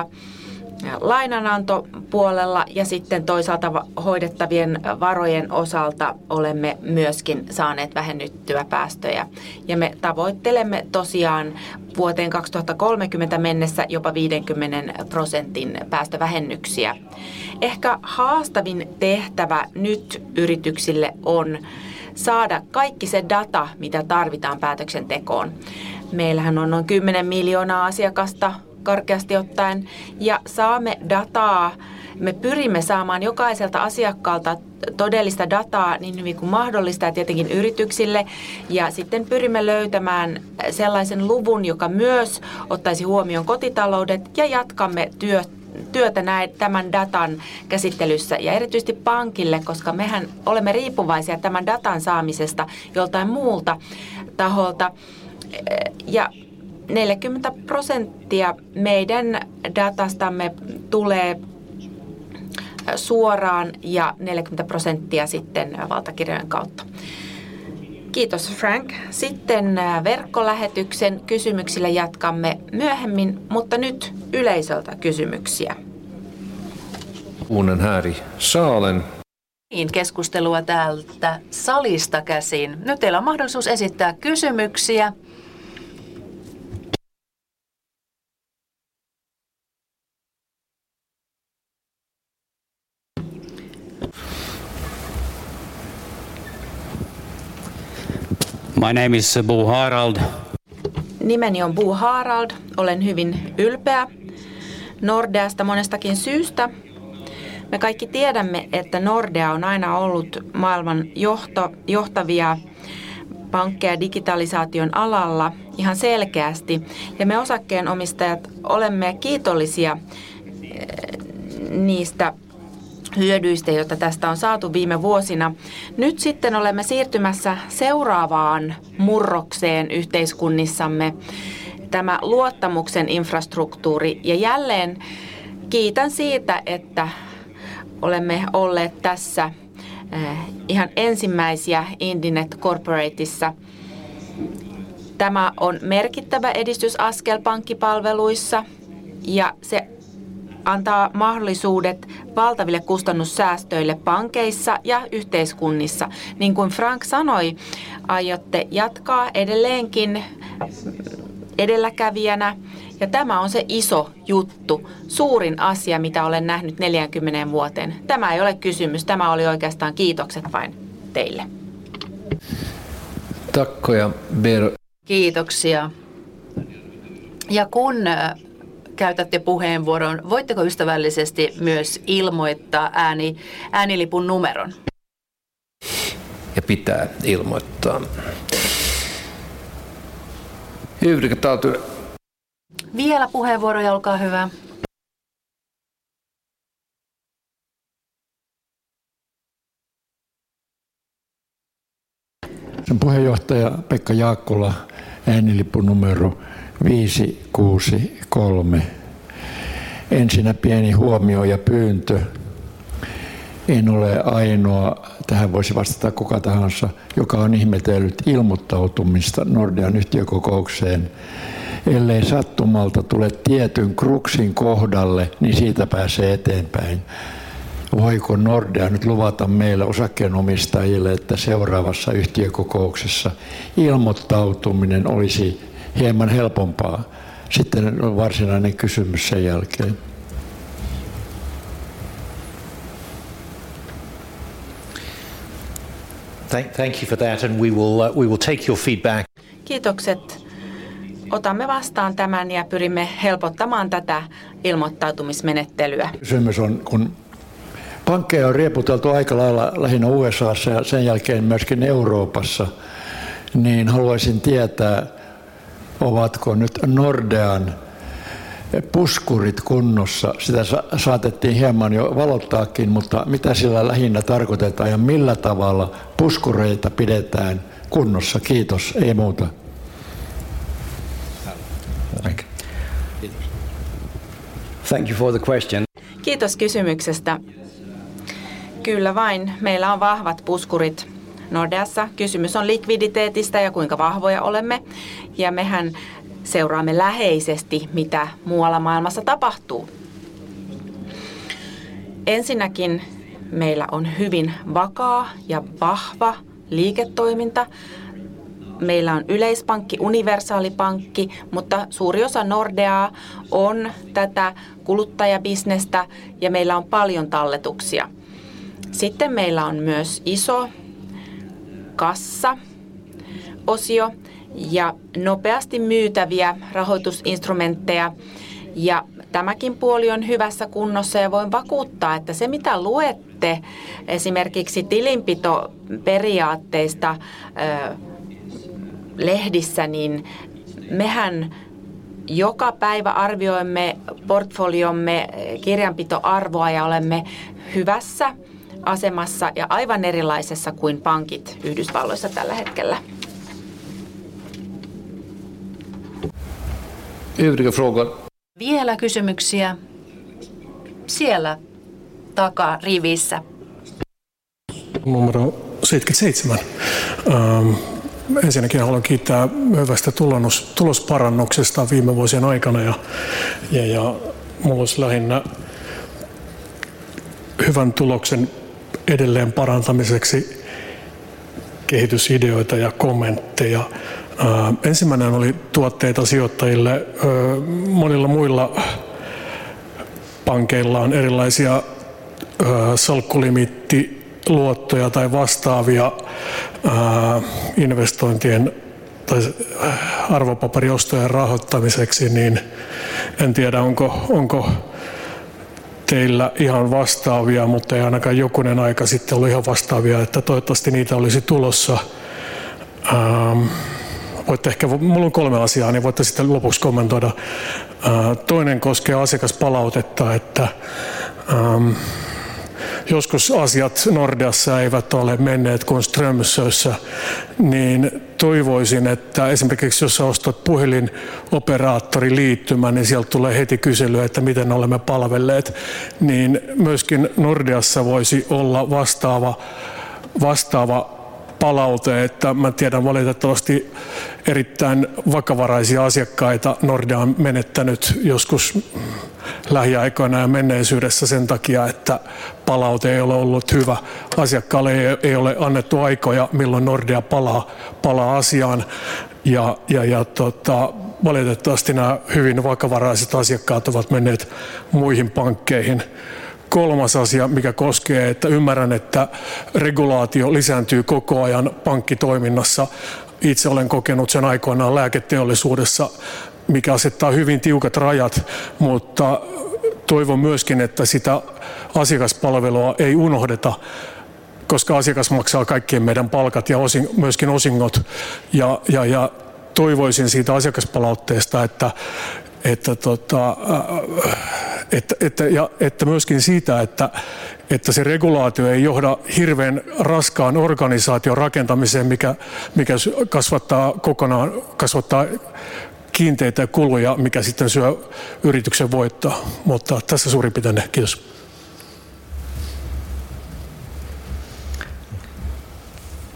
Speaker 7: 20% lainanantopuolella ja sitten toisaalta hoidettavien varojen osalta olemme myöskin saaneet vähennyttyä päästöjä ja me tavoittelemme tosiaan vuoteen 2030 mennessä jopa 50% päästövähennyksiä. Ehkä haastavin tehtävä nyt yrityksille on saada kaikki se data, mitä tarvitaan päätöksentekoon. Meillähän on noin 10 miljoonaa asiakasta karkeasti ottaen ja saamme dataa. Me pyrimme saamaan jokaiselta asiakkaalta todellista dataa niin hyvin kuin mahdollista ja tietenkin yrityksille. Sitten pyrimme löytämään sellaisen luvun, joka myös ottaisi huomioon kotitaloudet ja jatkamme työtä tämän datan käsittelyssä ja erityisesti pankille, koska mehän olemme riippuvaisia tämän datan saamisesta joltain muulta taholta. 40% meidän datastamme tulee suoraan ja 40% sitten valtakirjojen kautta. Kiitos Frank. Sitten verkkolähetyksen kysymyksille jatkamme myöhemmin, mutta nyt yleisöltä kysymyksiä.. Keskustelua täältä salista käsin. Nyt teillä on mahdollisuus esittää kysymyksiä.
Speaker 2: My name is Bo Harald.
Speaker 7: Nimeni on Bo Harald. Olen hyvin ylpeä Nordeasta monestakin syystä. Me kaikki tiedämme, että Nordea on aina ollut maailman johtavia pankkeja digitalisaation alalla. Ihan selkeästi. Me osakkeenomistajat olemme kiitollisia niistä hyödyistä, joita tästä on saatu viime vuosina. Nyt sitten olemme siirtymässä seuraavaan murrokseen yhteiskunnissamme. Tämä luottamuksen infrastruktuuri ja jälleen kiitän siitä, että olemme olleet tässä ihan ensimmäisiä Indinet Corporatessa. Tämä on merkittävä edistysaskel pankkipalveluissa ja se antaa mahdollisuudet valtaville kustannussäästöille pankeissa ja yhteiskunnissa. Niin kuin Frank sanoi, aiotte jatkaa edelleenkin edelläkävijänä ja tämä on se iso juttu. Suurin asia, mitä olen nähnyt 40 vuoteen. Tämä ei ole kysymys. Tämä oli oikeastaan kiitokset vain teille.
Speaker 2: Tack ja.
Speaker 7: Kiitoksia. Kun käytätte puheenvuoron, voitteko ystävällisesti myös ilmoittaa ääni-äänilipun numeron.
Speaker 2: Pitää ilmoittaa.
Speaker 7: Vielä puheenvuoroja, olkaa hyvä.
Speaker 8: Puheenjohtaja Pekka Jaakkola, äänilippu numero 563. Pieni huomio ja pyyntö. En ole ainoa. Tähän voisi vastata kuka tahansa, joka on ihmetellyt ilmoittautumista Nordean yhtiökokoukseen. Ellei sattumalta tule tietyn kruksin kohdalle, niin siitä pääsee eteenpäin. Voiko Nordea nyt luvata meille osakkeenomistajille, että seuraavassa yhtiökokouksessa ilmoittautuminen olisi hieman helpompaa? Varsinainen kysymys sen jälkeen.
Speaker 7: Thank you for that. We will take your feedback. Kiitokset! Otamme vastaan tämän ja pyrimme helpottamaan tätä ilmoittautismenettelyä.
Speaker 8: Kysymys on, kun pankkeja on riepoteltu aika lailla lähinnä USAssa ja sen jälkeen myöskin Euroopassa, niin haluaisin tietää, ovatko nyt Nordean puskurit kunnossa? Sitä saatettiin hieman jo valottaakin, mutta mitä sillä lähinnä tarkoitetaan ja millä tavalla puskureita pidetään kunnossa? Kiitos, ei muuta.
Speaker 7: Thank you for the question. Kiitos kysymyksestä. Kyllä vain, meillä on vahvat puskurit Nordeassa. Kysymys on likviditeetistä ja kuinka vahvoja olemme. Mehän seuraamme läheisesti, mitä muualla maailmassa tapahtuu. Ensinnäkin meillä on hyvin vakaa ja vahva liiketoiminta. Meillä on yleispankki, universaalipankki, mutta suuri osa Nordeaa on tätä kuluttajabisnestä ja meillä on paljon talletuksia. Meillä on myös iso...
Speaker 3: Kassaosio ja nopeasti myytäviä rahoitusinstrumentteja. Tämäkin puoli on hyvässä kunnossa ja voin vakuuttaa, että se mitä luette esimerkiksi tilinpitoperiaatteista lehdissä, niin mehän joka päivä arvioimme portfoliomme kirjanpitoarvoa ja olemme hyvässä asemassa ja aivan erilaisessa kuin pankit Yhdysvalloissa tällä hetkellä.
Speaker 5: Yhdysvaltain.
Speaker 3: Vielä kysymyksiä siellä takarivissä.
Speaker 9: Numero 77. Ensinnäkin haluan kiittää hyvästä tulosparannuksesta viime vuosien aikana ja mulla olisi lähinnä hyvän tuloksen edelleen parantamiseksi kehitysideoita ja kommentteja. Ensimmäinen oli tuotteita sijoittajille. Monilla muilla pankeilla on erilaisia salkkulimiittiluottoja tai vastaavia investointien tai arvopaperiostojen rahoittamiseksi, niin en tiedä onko teillä ihan vastaavia, mutta ei ainakaan jokunen aika sitten ollut ihan vastaavia, että toivottavasti niitä olisi tulossa. Voitte ehkä, mulla on 3 asiaa, niin voitte sitten lopuksi kommentoida. Toinen koskee asiakaspalautetta, että joskus asiat Nordeassa eivät ole menneet kuin Strömsössä, niin toivoisin, että esimerkiksi jos sä ostat puhelinoperaattoriliittymän, niin sieltä tulee heti kysely, että miten olemme palvelleet, niin myöskin Nordeassa voisi olla vastaava palaute, että mä tiedän valitettavasti erittäin vakavaraisia asiakkaita Nordea on menettänyt joskus lähiaikoina ja menneisyydessä sen takia, että palaute ei ole ollut hyvä. Asiakkaalle ei ole annettu aikoja, milloin Nordea palaa asiaan ja tota valitettavasti nää hyvin vakavaraiset asiakkaat ovat menneet muihin pankkeihin. Kolmas asia mikä koskee, että ymmärrän, että regulaatio lisääntyy koko ajan pankkitoiminnassa. Itse olen kokenut sen aikoinaan lääketeollisuudessa, mikä asettaa hyvin tiukat rajat, mutta toivon myöskin, että sitä asiakaspalvelua ei unohdeta, koska asiakas maksaa kaikkien meidän palkat ja osin myöskin osingot. Toivoisin siitä asiakaspalautteesta, että tota, että ja että myöskin siitä, että se regulaatio ei johda hirveän raskaan organisaation rakentamiseen, mikä kasvattaa kokonaan, kasvattaa kiinteitä kuluja, mikä sitten syö yrityksen voittoa. Tässä suurin piirtein. Kiitos.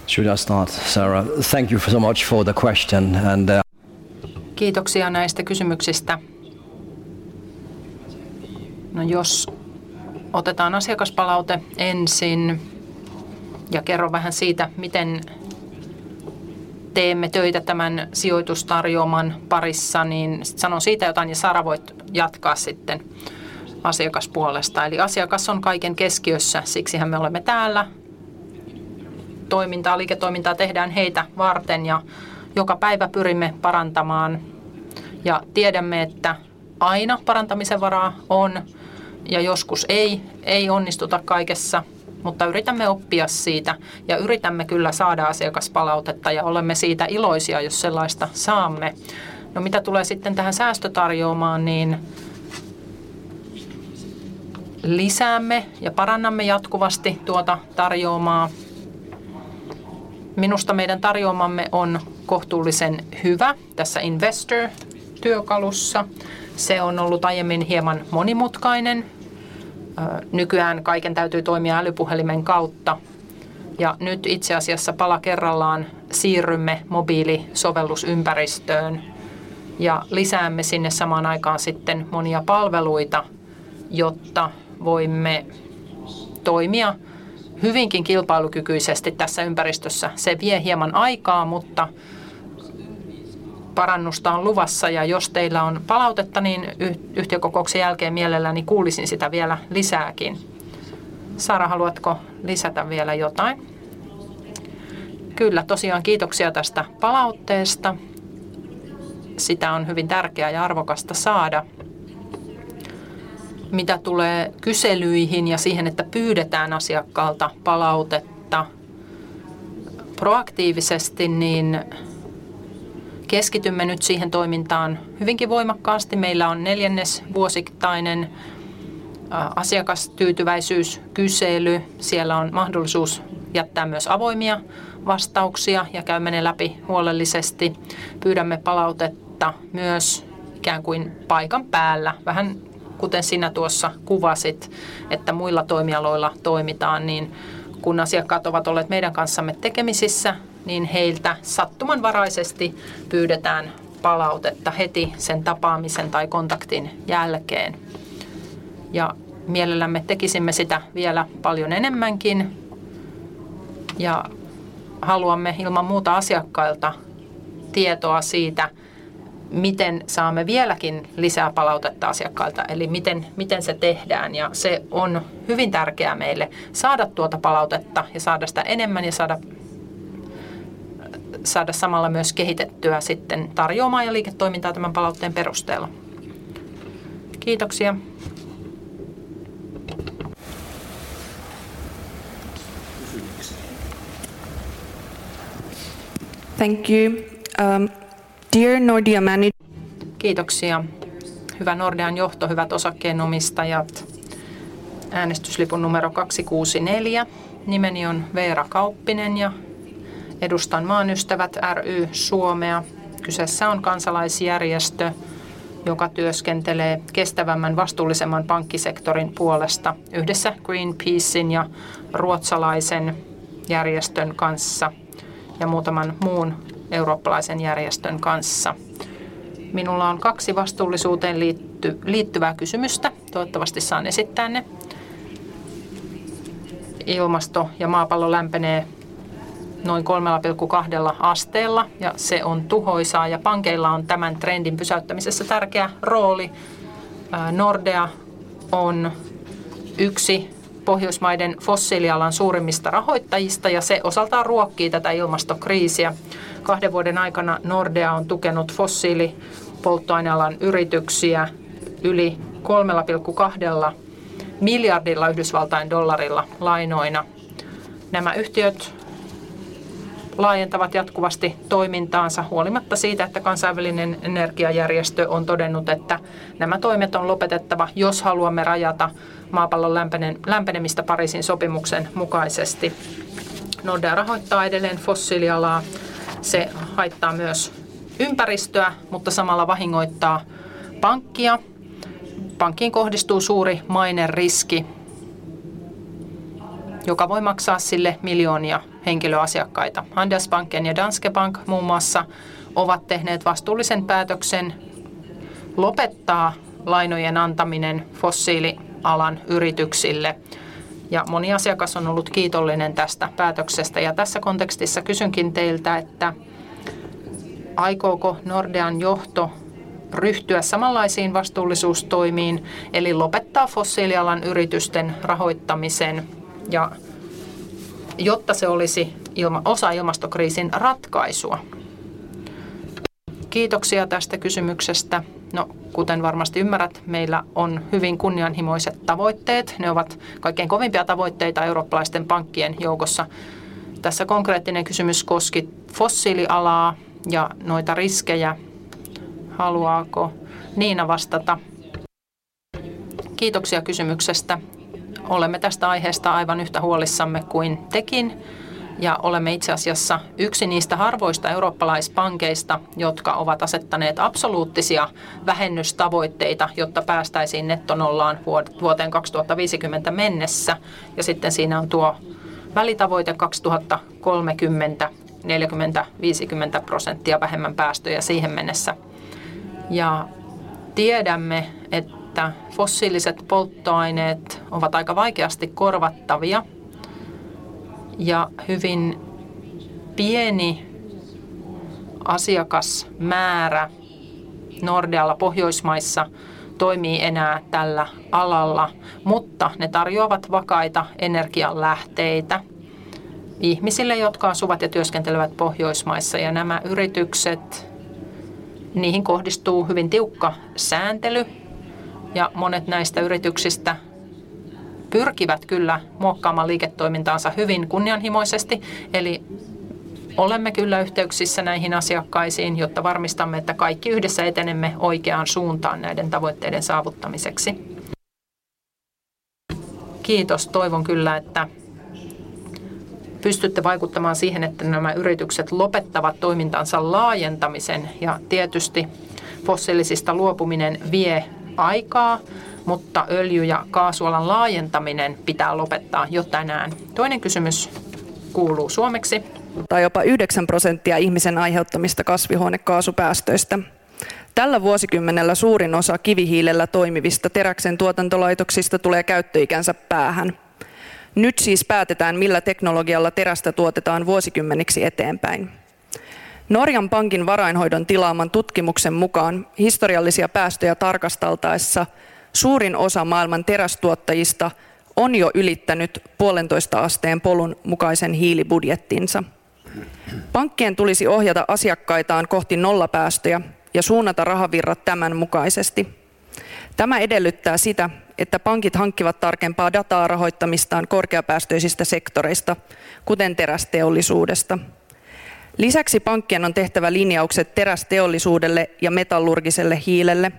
Speaker 5: Should I start, Sara? Thank you so much for the question and-
Speaker 3: Kiitoksia näistä kysymyksistä. Jos otetaan asiakaspalaute ensin ja kerron vähän siitä, miten teemme töitä tämän sijoitustarjooman parissa, niin sanon siitä jotain ja Sara voit jatkaa sitten asiakaspuolesta. Asiakas on kaiken keskiössä. Siksihän me olemme täällä. Toimintaa, liiketoimintaa tehdään heitä varten ja joka päivä pyrimme parantamaan ja tiedämme, että aina parantamisen varaa on ja joskus ei. Ei onnistuta kaikessa, mutta yritämme oppia siitä. Yritämme kyllä saada asiakaspalautetta ja olemme siitä iloisia, jos sellaista saamme. Mitä tulee sitten tähän säästötarjoomaan, niin lisäämme ja parannamme jatkuvasti tuota tarjoomaa. Minusta meidän tarjoomamme on kohtuullisen hyvä tässä Investor-työkalussa. Se on ollut aiemmin hieman monimutkainen. Nykyään kaiken täytyy toimia älypuhelimen kautta, ja nyt itse asiassa pala kerrallaan siirrymme mobiilisovellusympäristöön ja lisäämme sinne samaan aikaan sitten monia palveluita, jotta voimme toimia hyvinkin kilpailukykyisesti tässä ympäristössä. Se vie hieman aikaa, mutta parannusta on luvassa ja jos teillä on palautetta, niin yhtiökokouksen jälkeen mielelläni kuulisin sitä vielä lisääkin. Sara, haluatko lisätä vielä jotain? Kyllä, tosiaan kiitoksia tästä palautteesta. Sitä on hyvin tärkeää ja arvokasta saada. Mitä tulee kyselyihin ja siihen, että pyydetään asiakkaalta palautetta proaktiivisesti, niin keskitymme nyt siihen toimintaan hyvinkin voimakkaasti. Meillä on neljännesvuosittainen asiakastyytyväisyyskysely. Siellä on mahdollisuus jättää myös avoimia vastauksia ja käymme ne läpi huolellisesti. Pyydämme palautetta myös ikään kuin paikan päällä. Vähän kuten sinä tuossa kuvasit, että muilla toimialoilla toimitaan, niin kun asiakkaat ovat olleet meidän kanssamme tekemisissä, niin heiltä sattumanvaraisesti pyydetään palautetta heti sen tapaamisen tai kontaktin jälkeen. Mielellämme tekisimme sitä vielä paljon enemmänkin. Haluamme ilman muuta asiakkailta. Tietoa siitä, miten saamme vieläkin lisää palautetta asiakkailta eli miten se tehdään. Se on hyvin tärkeää meille saada tuota palautetta ja saada sitä enemmän ja saada samalla myös kehitettyä sitten tarjoomaa ja liiketoimintaa tämän palautteen perusteella. Kiitoksia. Kysymyksiin. Thank you, dear Nordea manage. Kiitoksia! Hyvä Nordean johto, hyvät osakkeenomistajat. Äänestyslipun numero 264. Nimeni on Vera Kauppinen ja edustan Maan Ystävät ry Suomea. Kyseessä on kansalaisjärjestö, joka työskentelee kestävämmän, vastuullisemman pankkisektorin puolesta yhdessä Greenpeacein ja ruotsalaisen järjestön kanssa ja muutaman muun eurooppalaisen järjestön kanssa. Minulla on two vastuullisuuteen liittyvää kysymystä. Toivottavasti saan esittää ne. Ilmasto ja maapallo lämpenee noin 3.2 asteella ja se on tuhoisaa ja pankeilla on tämän trendin pysäyttämisessä tärkeä rooli. Nordea on yksi Pohjoismaiden fossiilijalan suurimmista rahoittajista ja se osaltaan ruokkii tätä ilmastokriisiä. Two vuoden aikana Nordea on tukenut fossiilipolttoainealan yrityksiä yli $3.2 billion lainoina. Nämä yhtiöt laajentavat jatkuvasti toimintaansa huolimatta siitä, että kansainvälinen energiajärjestö on todennut, että nämä toimet on lopetettava, jos haluamme rajata maapallon lämpenemistä Pariisin sopimuksen mukaisesti. Nordea rahoittaa edelleen fossiilialaa. Se haittaa myös ympäristöä, samalla vahingoittaa pankkia. Pankkiin kohdistuu suuri maineriski, joka voi maksaa sille miljoonia henkilöasiakkaita. Handelsbanken ja Danske Bank muun muassa ovat tehneet vastuullisen päätöksen lopettaa lainojen antaminen fossiilialan yrityksille. Moni asiakas on ollut kiitollinen tästä päätöksestä. Tässä kontekstissa kysynkin teiltä, että aikooko Nordean johto ryhtyä samanlaisiin vastuullisuustoimiin eli lopettaa fossiilialan yritysten rahoittamisen? Jotta se olisi osa ilmastokriisin ratkaisua. Kiitoksia tästä kysymyksestä. No, kuten varmasti ymmärrät, meillä on hyvin kunnianhimoiset tavoitteet. Ne ovat kaikkein kovimpia tavoitteita eurooppalaisten pankkien joukossa. Tässä konkreettinen kysymys koski fossiilialaa ja noita riskejä. Haluaako Niina vastata? Kiitoksia kysymyksestä. Olemme tästä aiheesta aivan yhtä huolissamme kuin tekin ja olemme itse asiassa yksi niistä harvoista eurooppalaispankeista, jotka ovat asettaneet absoluuttisia vähennystavoitteita, jotta päästäisiin nettonollaan vuoteen 2050 mennessä. Sitten siinä on tuo välitavoite 2030, 40%, 50% vähemmän päästöjä siihen mennessä. Tiedämme, että fossiiliset polttoaineet ovat aika vaikeasti korvattavia ja hyvin pieni asiakasmäärä Nordealla Pohjoismaissa toimii enää tällä alalla, mutta ne tarjoavat vakaita energianlähteitä ihmisille, jotka asuvat ja työskentelevät Pohjoismaissa. Nämä yritykset, niihin kohdistuu hyvin tiukka sääntely ja monet näistä yrityksistä pyrkivät kyllä muokkaamaan liiketoimintaansa hyvin kunnianhimoisesti. Olemme kyllä yhteyksissä näihin asiakkaisiin, jotta varmistamme, että kaikki yhdessä etenemme oikeaan suuntaan näiden tavoitteiden saavuttamiseksi. Kiitos! Toivon kyllä, että pystytte vaikuttamaan siihen, että nämä yritykset lopettavat toimintansa laajentamisen. Tietysti fossiilisista luopuminen vie aikaa, mutta öljy- ja kaasualan laajentaminen pitää lopettaa jo tänään. Toinen kysymys kuuluu suomeksi.
Speaker 2: Tai jopa 9% ihmisen aiheuttamista kasvihuonekaasupäästöistä. Tällä vuosikymmenellä suurin osa kivihiilellä toimivista teräksen tuotantolaitoksista tulee käyttöikänsä päähän. Nyt siis päätetään, millä teknologialla terästä tuotetaan vuosikymmeniksi eteenpäin. Norjan Pankin varainhoidon tilaaman tutkimuksen mukaan historiallisia päästöjä tarkasteltaessa suurin osa maailman terästuottajista on jo ylittänyt 1.5-degree polun mukaisen hiilibudjettinsa. Pankkien tulisi ohjata asiakkaitaan kohti nollapäästöjä ja suunnata rahavirrat tämän mukaisesti. Tämä edellyttää sitä, että pankit hankkivat tarkempaa dataa rahoittamistaan korkeapäästöisistä sektoreista, kuten terästeollisuudesta. Lisäksi pankkien on tehtävä linjaukset terästeollisuudelle ja metallurgiselle hiilelle.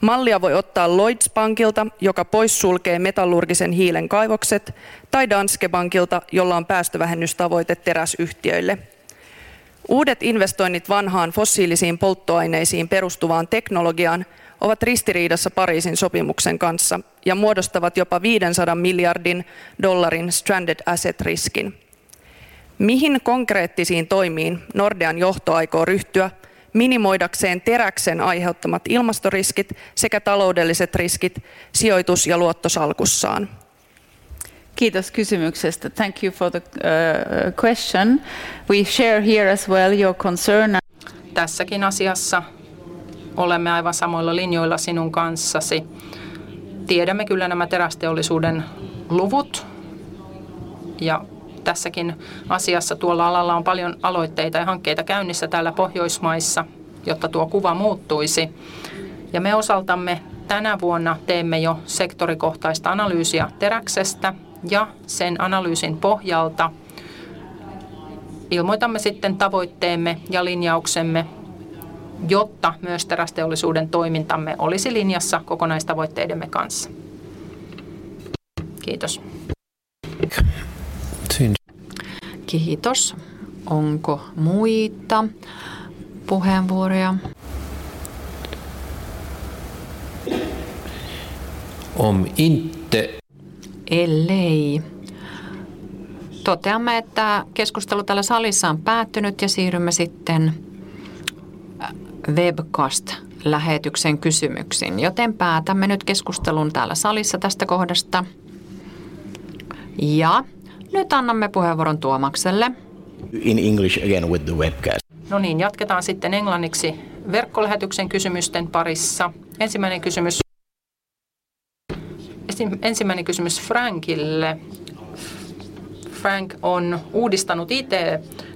Speaker 2: Mallia voi ottaa Lloyds Pankilta, joka poissulkee metallurgisen hiilen kaivokset tai Danske Bankilta, jolla on päästövähennystavoite teräsyhtiöille. Uudet investoinnit vanhaan fossiilisiin polttoaineisiin perustuvaan teknologiaan ovat ristiriidassa Pariisin sopimuksen kanssa ja muodostavat jopa $500 billion stranded asset -riskin. Mihin konkreettisiin toimiin Nordean johto aikoo ryhtyä minimoidakseen teräksen aiheuttamat ilmastoriskit sekä taloudelliset riskit sijoitus- ja luottosalkussaan?
Speaker 3: Kiitos kysymyksestä. Thank you for the question we share here as well your concern. Tässäkin asiassa olemme aivan samoilla linjoilla sinun kanssasi. Tiedämme kyllä nämä terästeollisuuden luvut. Tässäkin asiassa tuolla alalla on paljon aloitteita ja hankkeita käynnissä täällä Pohjoismaissa, jotta tuo kuva muuttuisi. Me osaltamme tänä vuonna teemme jo sektorikohtaista analyysiä teräksestä ja sen analyysin pohjalta ilmoitamme sitten tavoitteemme ja linjauksemme, jotta myös terästeollisuuden toimintamme olisi linjassa kokonaistavoitteidemme kanssa. Kiitos. Kiitos! Onko muita puheenvuoroja? Om inte. Ellei. Toteamme, että keskustelu täällä salissa on päättynyt ja siirrymme sitten webcast lähetyksen kysymyksiin, joten päätämme nyt keskustelun täällä salissa tästä kohdasta ja nyt annamme puheenvuoron Tuomas Forsellille. In English again with the webcast. No niin, jatketaan sitten englanniksi verkkolähetyksen kysymysten parissa. Ensimmäinen kysymys. Ensimmäinen kysymys Frank Vang-Jensenille. Frank Vang-Jensen on uudistanut IT.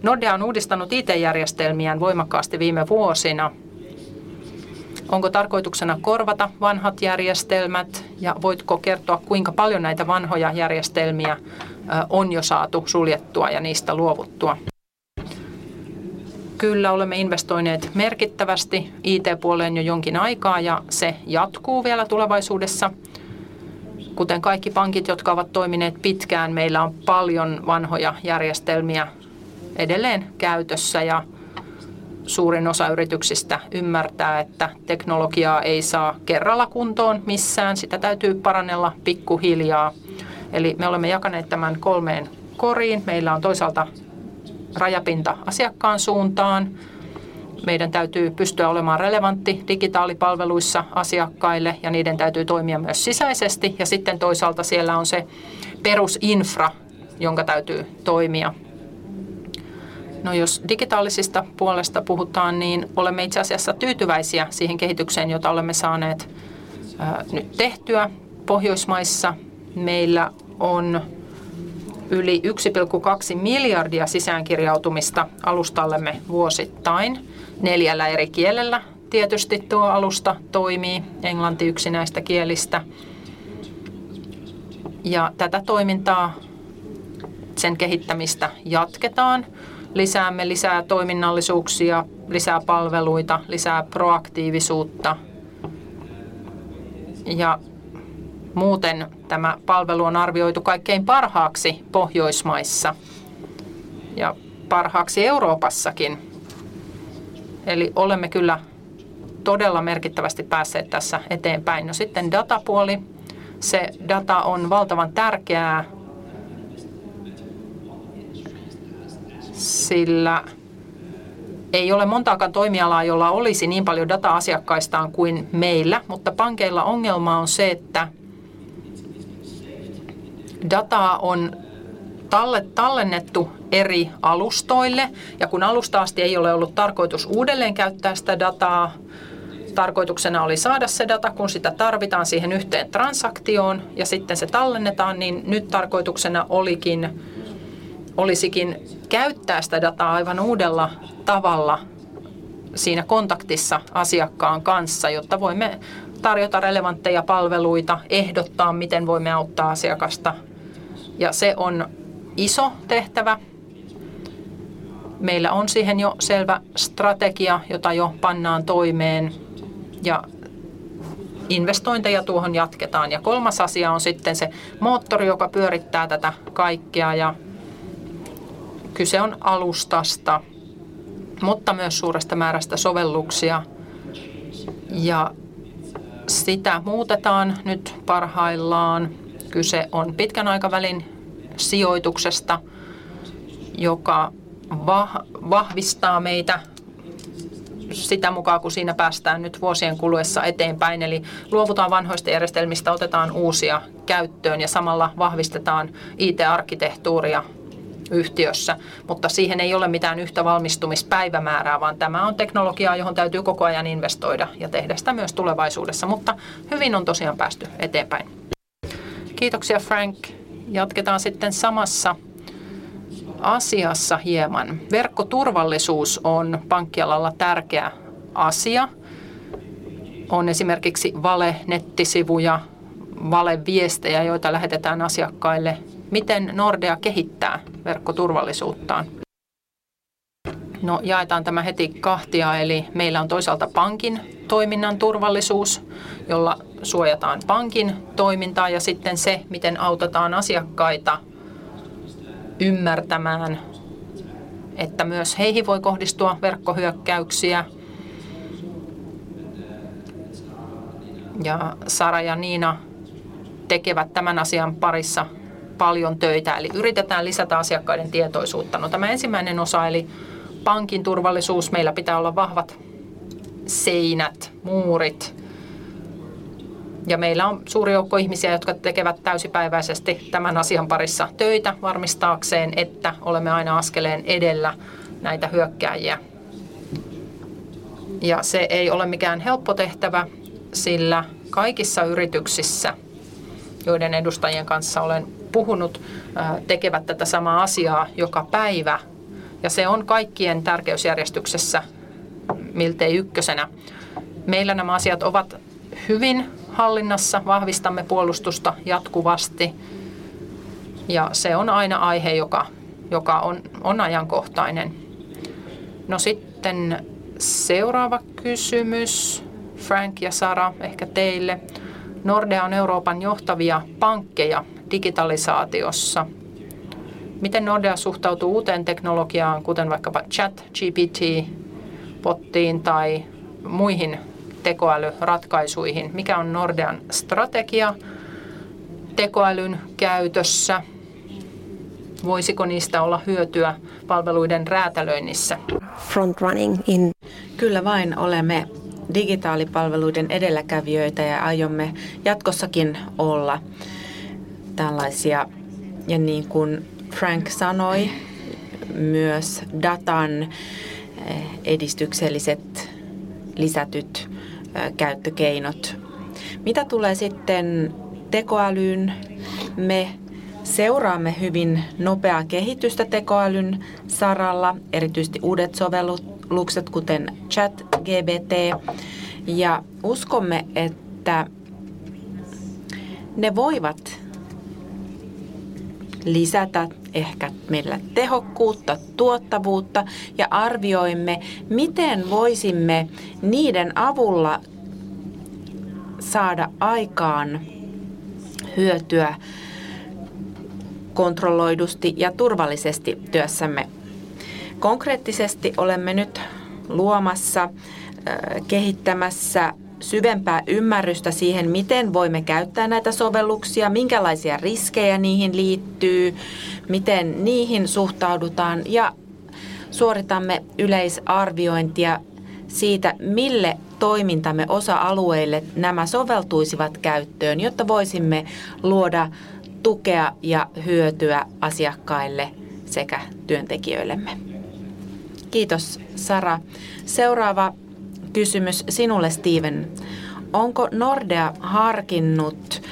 Speaker 3: Nordea on uudistanut IT järjestelmiään voimakkaasti viime vuosina. Onko tarkoituksena korvata vanhat järjestelmät ja voitko kertoa kuinka paljon näitä vanhoja järjestelmiä on jo saatu suljettua ja niistä luovuttua? Kyllä olemme investoineet merkittävästi IT puoleen jo jonkin aikaa ja se jatkuu vielä tulevaisuudessa. Kuten kaikki pankit, jotka ovat toimineet pitkään, meillä on paljon vanhoja järjestelmiä edelleen käytössä ja suurin osa yrityksistä ymmärtää, että teknologiaa ei saa kerralla kuntoon missään. Sitä täytyy parannella pikkuhiljaa. Eli me olemme jakaneet tämän kolmeen koriin. Meillä on toisaalta rajapinta asiakkaan suuntaan. Meidän täytyy pystyä olemaan relevantti digitaalipalveluissa asiakkaille ja niiden täytyy toimia myös sisäisesti ja sitten toisaalta siellä on se perusinfra, jonka täytyy toimia. Jos digitaalisesta puolesta puhutaan, niin olemme itse asiassa tyytyväisiä siihen kehitykseen, jota olemme saaneet nyt tehtyä Pohjoismaissa. Meillä on yli 1.2 billion sisäänkirjautumista alustallemme vuosittain neljällä eri kielellä. Tietysti tuo alusta toimii englanti yksinäistä kielistä. Tätä toimintaa, sen kehittämistä jatketaan. Lisäämme lisää toiminnallisuuksia, lisää palveluita, lisää proaktiivisuutta. Muuten tämä palvelu on arvioitu kaikkein parhaaksi Pohjoismaissa ja parhaaksi Euroopassakin. Olemme kyllä todella merkittävästi päässeet tässä eteenpäin. Sitten datapuoli. Se data on valtavan tärkeää. Ei ole montaakaan toimialaa, jolla olisi niin paljon dataa asiakkaistaan kuin meillä. Pankeilla ongelma on se, että. Dataa on tallennettu eri alustoille ja kun alusta asti ei ole ollut tarkoitus uudelleenkäyttää sitä dataa, tarkoituksena oli saada se data, kun sitä tarvitaan siihen yhteen transaktioon ja sitten se tallennetaan, niin nyt tarkoituksena olisikin käyttää sitä dataa aivan uudella tavalla siinä kontaktissa asiakkaan kanssa, jotta voimme tarjota relevantteja palveluita, ehdottaa miten voimme auttaa asiakasta ja se on iso tehtävä. Meillä on siihen jo selvä strategia, jota jo pannaan toimeen ja investointeja tuohon jatketaan. Kolmas asia on sitten se moottori, joka pyörittää tätä kaikkea. Kyse on alustasta, mutta myös suuresta määrästä sovelluksia ja sitä muutetaan nyt parhaillaan. Kyse on pitkän aikavälin sijoituksesta, joka vahvistaa meitä sitä mukaa kun siinä päästään nyt vuosien kuluessa eteenpäin. Luovutaan vanhoista järjestelmistä, otetaan uusia käyttöön ja samalla vahvistetaan IT arkkitehtuuria yhtiössä. Siihen ei ole mitään yhtä valmistumispäivämäärää, vaan tämä on teknologiaa, johon täytyy koko ajan investoida ja tehdä sitä myös tulevaisuudessa. Hyvin on tosiaan päästy eteenpäin. Kiitoksia Frank! Jatketaan sitten samassa asiassa hieman. Verkkoturvallisuus on pankkialalla tärkeä asia. On esimerkiksi vale nettisivuja, vale viestejä, joita lähetetään asiakkaille. Miten Nordea kehittää verkkoturvallisuuttaan? Jaetaan tämä heti kahtia. Meillä on toisaalta pankin toiminnan turvallisuus, jolla suojataan pankin toimintaa ja sitten se, miten autetaan asiakkaita ymmärtämään, että myös heihin voi kohdistua verkkohyökkäyksiä. Sara ja Niina tekevät tämän asian parissa paljon töitä. Yritetään lisätä asiakkaiden tietoisuutta. Tämä ensimmäinen osa eli pankin turvallisuus. Meillä pitää olla vahvat. Seinät, muurit, meillä on suuri joukko ihmisiä, jotka tekevät täysipäiväisesti tämän asian parissa töitä varmistaakseen, että olemme aina askeleen edellä näitä hyökkääjiä. Se ei ole mikään helppo tehtävä, sillä kaikissa yrityksissä, joiden edustajien kanssa olen puhunut, tekevät tätä samaa asiaa joka päivä ja se on kaikkien tärkeysjärjestyksessä miltei ykkösenä. Meillä nämä asiat ovat hyvin hallinnassa. Vahvistamme puolustusta jatkuvasti ja se on aina aihe, joka on ajankohtainen. Seuraava kysymys. Frank ja Sara. Ehkä teille. Nordea on Euroopan johtavia pankkeja digitalisaatiossa. Miten Nordea suhtautuu uuteen teknologiaan, kuten vaikkapa ChatGPT bottiin tai muihin tekoälyratkaisuihin? Mikä on Nordean strategia tekoälyn käytössä? Voisiko niistä olla hyötyä palveluiden räätälöinnissä?
Speaker 7: Front running in. Kyllä vain, olemme digitaalipalveluiden edelläkävijöitä ja aiomme jatkossakin olla tällaisia. Niin kuin Frank sanoi, myös datan edistykselliset lisätyt käyttökeinot. Mitä tulee sitten tekoälyyn, me seuraamme hyvin nopeaa kehitystä tekoälyn saralla erityisesti uudet sovellukset kuten ChatGPT ja uskomme, että ne voivat lisätä ehkä meillä tehokkuutta, tuottavuutta ja arvioimme miten voisimme niiden avulla saada aikaan hyötyä kontrolloidusti ja turvallisesti työssämme. Konkreettisesti olemme nyt luomassa kehittämässä syvempää ymmärrystä siihen, miten voimme käyttää näitä sovelluksia, minkälaisia riskejä niihin liittyy, miten niihin suhtaudutaan ja suoritamme yleisarviointia siitä, mille toimintamme osa alueille nämä soveltuisivat käyttöön, jotta voisimme luoda tukea ja hyötyä asiakkaille sekä työntekijöillemme.
Speaker 3: Kiitos Sara! Seuraava kysymys sinulle Steven. Onko Nordea harkinnut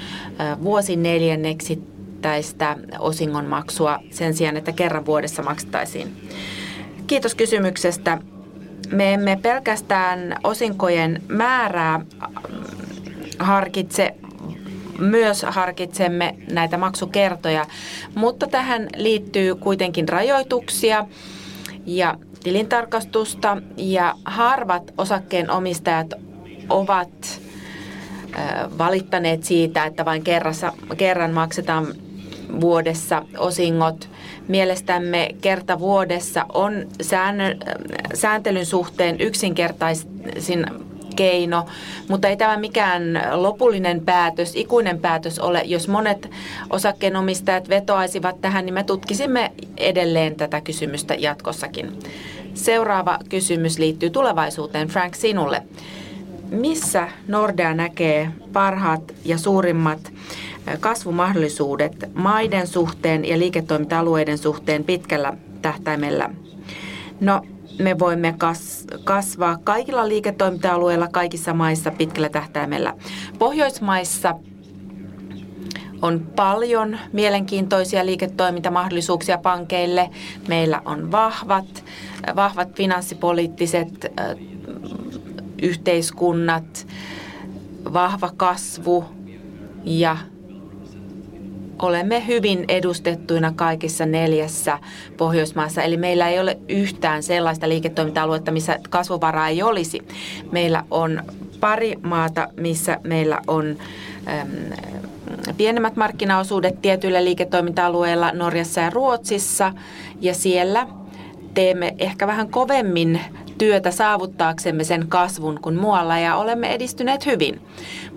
Speaker 3: vuosineljänneksittäistä osingonmaksua sen sijaan, että kerran vuodessa maksettaisiin?
Speaker 7: Kiitos kysymyksestä. Me emme pelkästään osinkojen määrää harkitse. Harkitsemme näitä maksukertoja, tähän liittyy kuitenkin rajoituksia ja tilintarkastusta, harvat osakkeenomistajat ovat valittaneet siitä, että vain kerran maksetaan vuodessa osingot. Mielestämme kerta vuodessa on sääntelyn suhteen yksinkertaisin keino, ei tämä mikään lopullinen päätös ikuinen päätös ole. Jos monet osakkeenomistajat vetoaisivat tähän, me tutkisimme edelleen tätä kysymystä jatkossakin.
Speaker 3: Seuraava kysymys liittyy tulevaisuuteen. Frank sinulle. Missä Nordea näkee parhaat ja suurimmat kasvumahdollisuudet maiden suhteen ja liiketoiminta-alueiden suhteen pitkällä tähtäimellä?
Speaker 7: No, me voimme kasvaa kaikilla liiketoiminta alueilla kaikissa maissa pitkällä tähtäimellä. Pohjoismaissa on paljon mielenkiintoisia liiketoimintamahdollisuuksia pankeille. Meillä on vahvat finanssipoliittiset yhteiskunnat, vahva kasvu ja olemme hyvin edustettuina kaikissa neljässä Pohjoismaassa. Meillä ei ole yhtään sellaista liiketoiminta aluetta, missä kasvuvaraa ei olisi. Meillä on pari maata, missä meillä on pienemmät markkinaosuudet tietyillä liiketoiminta alueilla Norjassa ja Ruotsissa ja siellä teemme ehkä vähän kovemmin työtä saavuttaaksemme sen kasvun kuin muualla. Olemme edistyneet hyvin,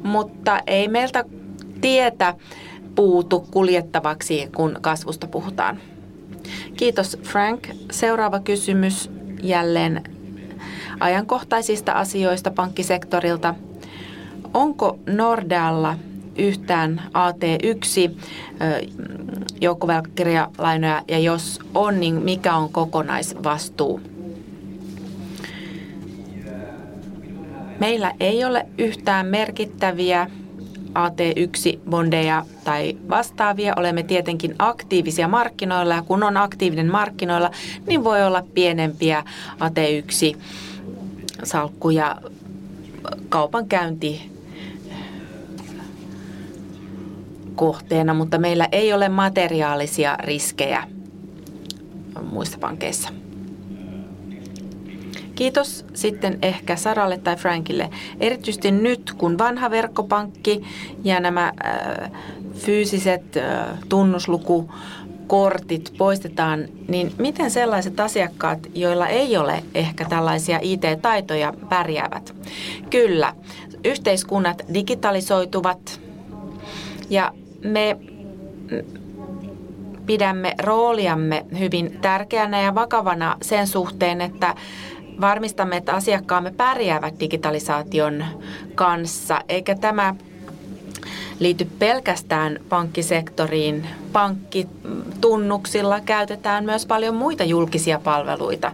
Speaker 7: mutta ei meiltä tietä puutu kuljettavaksi, kun kasvusta puhutaan.
Speaker 3: Kiitos Frank! Seuraava kysymys jälleen ajankohtaisista asioista pankkisektorilta. Onko Nordealla yhtään AT1 joukkovelkakirjalainoja ja jos on, niin mikä on kokonaisvastuu?
Speaker 7: Meillä ei ole yhtään merkittäviä AT1 bondeja tai vastaavia. Olemme tietenkin aktiivisia markkinoilla ja kun on aktiivinen markkinoilla, niin voi olla pienempiä AT1 salkkuja kaupankäyntikohteena, mutta meillä ei ole materiaalisia riskejä muissa pankeissa.
Speaker 3: Kiitos. Ehkä Saralle tai Frankille. Erityisesti nyt kun vanha verkkopankki ja nämä fyysiset tunnuslukukortit poistetaan, niin miten sellaiset asiakkaat, joilla ei ole ehkä tällaisia IT-taitoja pärjäävät?
Speaker 7: Kyllä yhteiskunnat digitalisoituvat. Me pidämme rooliamme hyvin tärkeänä ja vakavana sen suhteen, että varmistamme, että asiakkaamme pärjäävät digitalisaation kanssa. Eikä tämä liity pelkästään pankkisektoriin. Pankkitunnuksilla käytetään myös paljon muita julkisia palveluita.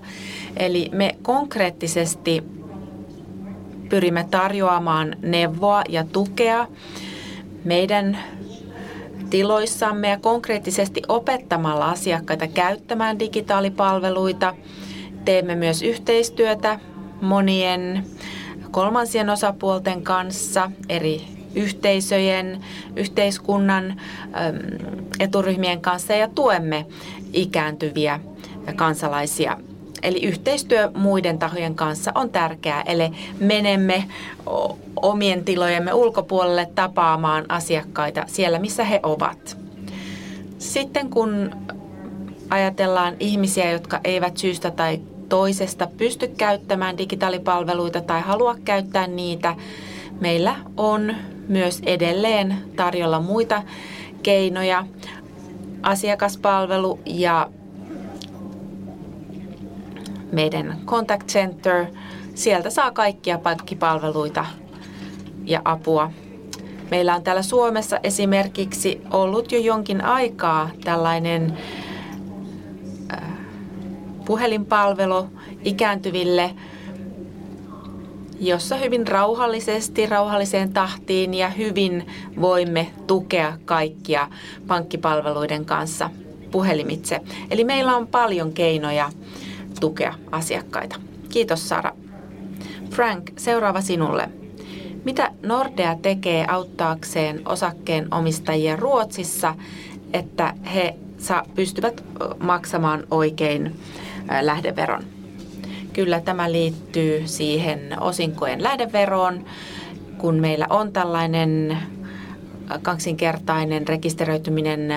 Speaker 7: Me konkreettisesti pyrimme tarjoamaan neuvoa ja tukea meidän tiloissamme ja konkreettisesti opettamalla asiakkaita käyttämään digitaalisia palveluita. Teemme myös yhteistyötä monien kolmansien osapuolten kanssa, eri yhteisöjen, yhteiskunnan eturyhmien kanssa ja tuemme ikääntyviä kansalaisia. Yhteistyö muiden tahojen kanssa on tärkeää. Menemme omien tilojemme ulkopuolelle tapaamaan asiakkaita siellä, missä he ovat. Kun ajatellaan ihmisiä, jotka eivät syystä tai toisesta pysty käyttämään digitaalisia palveluita tai halua käyttää niitä. Meillä on myös edelleen tarjolla muita keinoja. Asiakaspalvelu ja. Meidän Contact Centre. Sieltä saa kaikkia pankkipalveluita ja apua. Meillä on täällä Suomessa esimerkiksi ollut jo jonkin aikaa tällainen. Puhelinpalvelu ikääntyville, jossa hyvin rauhallisesti, rauhalliseen tahtiin ja hyvin voimme tukea kaikkia pankkipalveluiden kanssa puhelimitse. Meillä on paljon keinoja tukea asiakkaita. Kiitos Sara! Frank, seuraava sinulle. Mitä Nordea tekee auttaakseen osakkeenomistajia Ruotsissa, että he pystyvät maksamaan oikein lähdeveron? Kyllä tämä liittyy siihen osinkojen lähdeveroon. Kun meillä on tällainen kaksinkertainen rekisteröityminen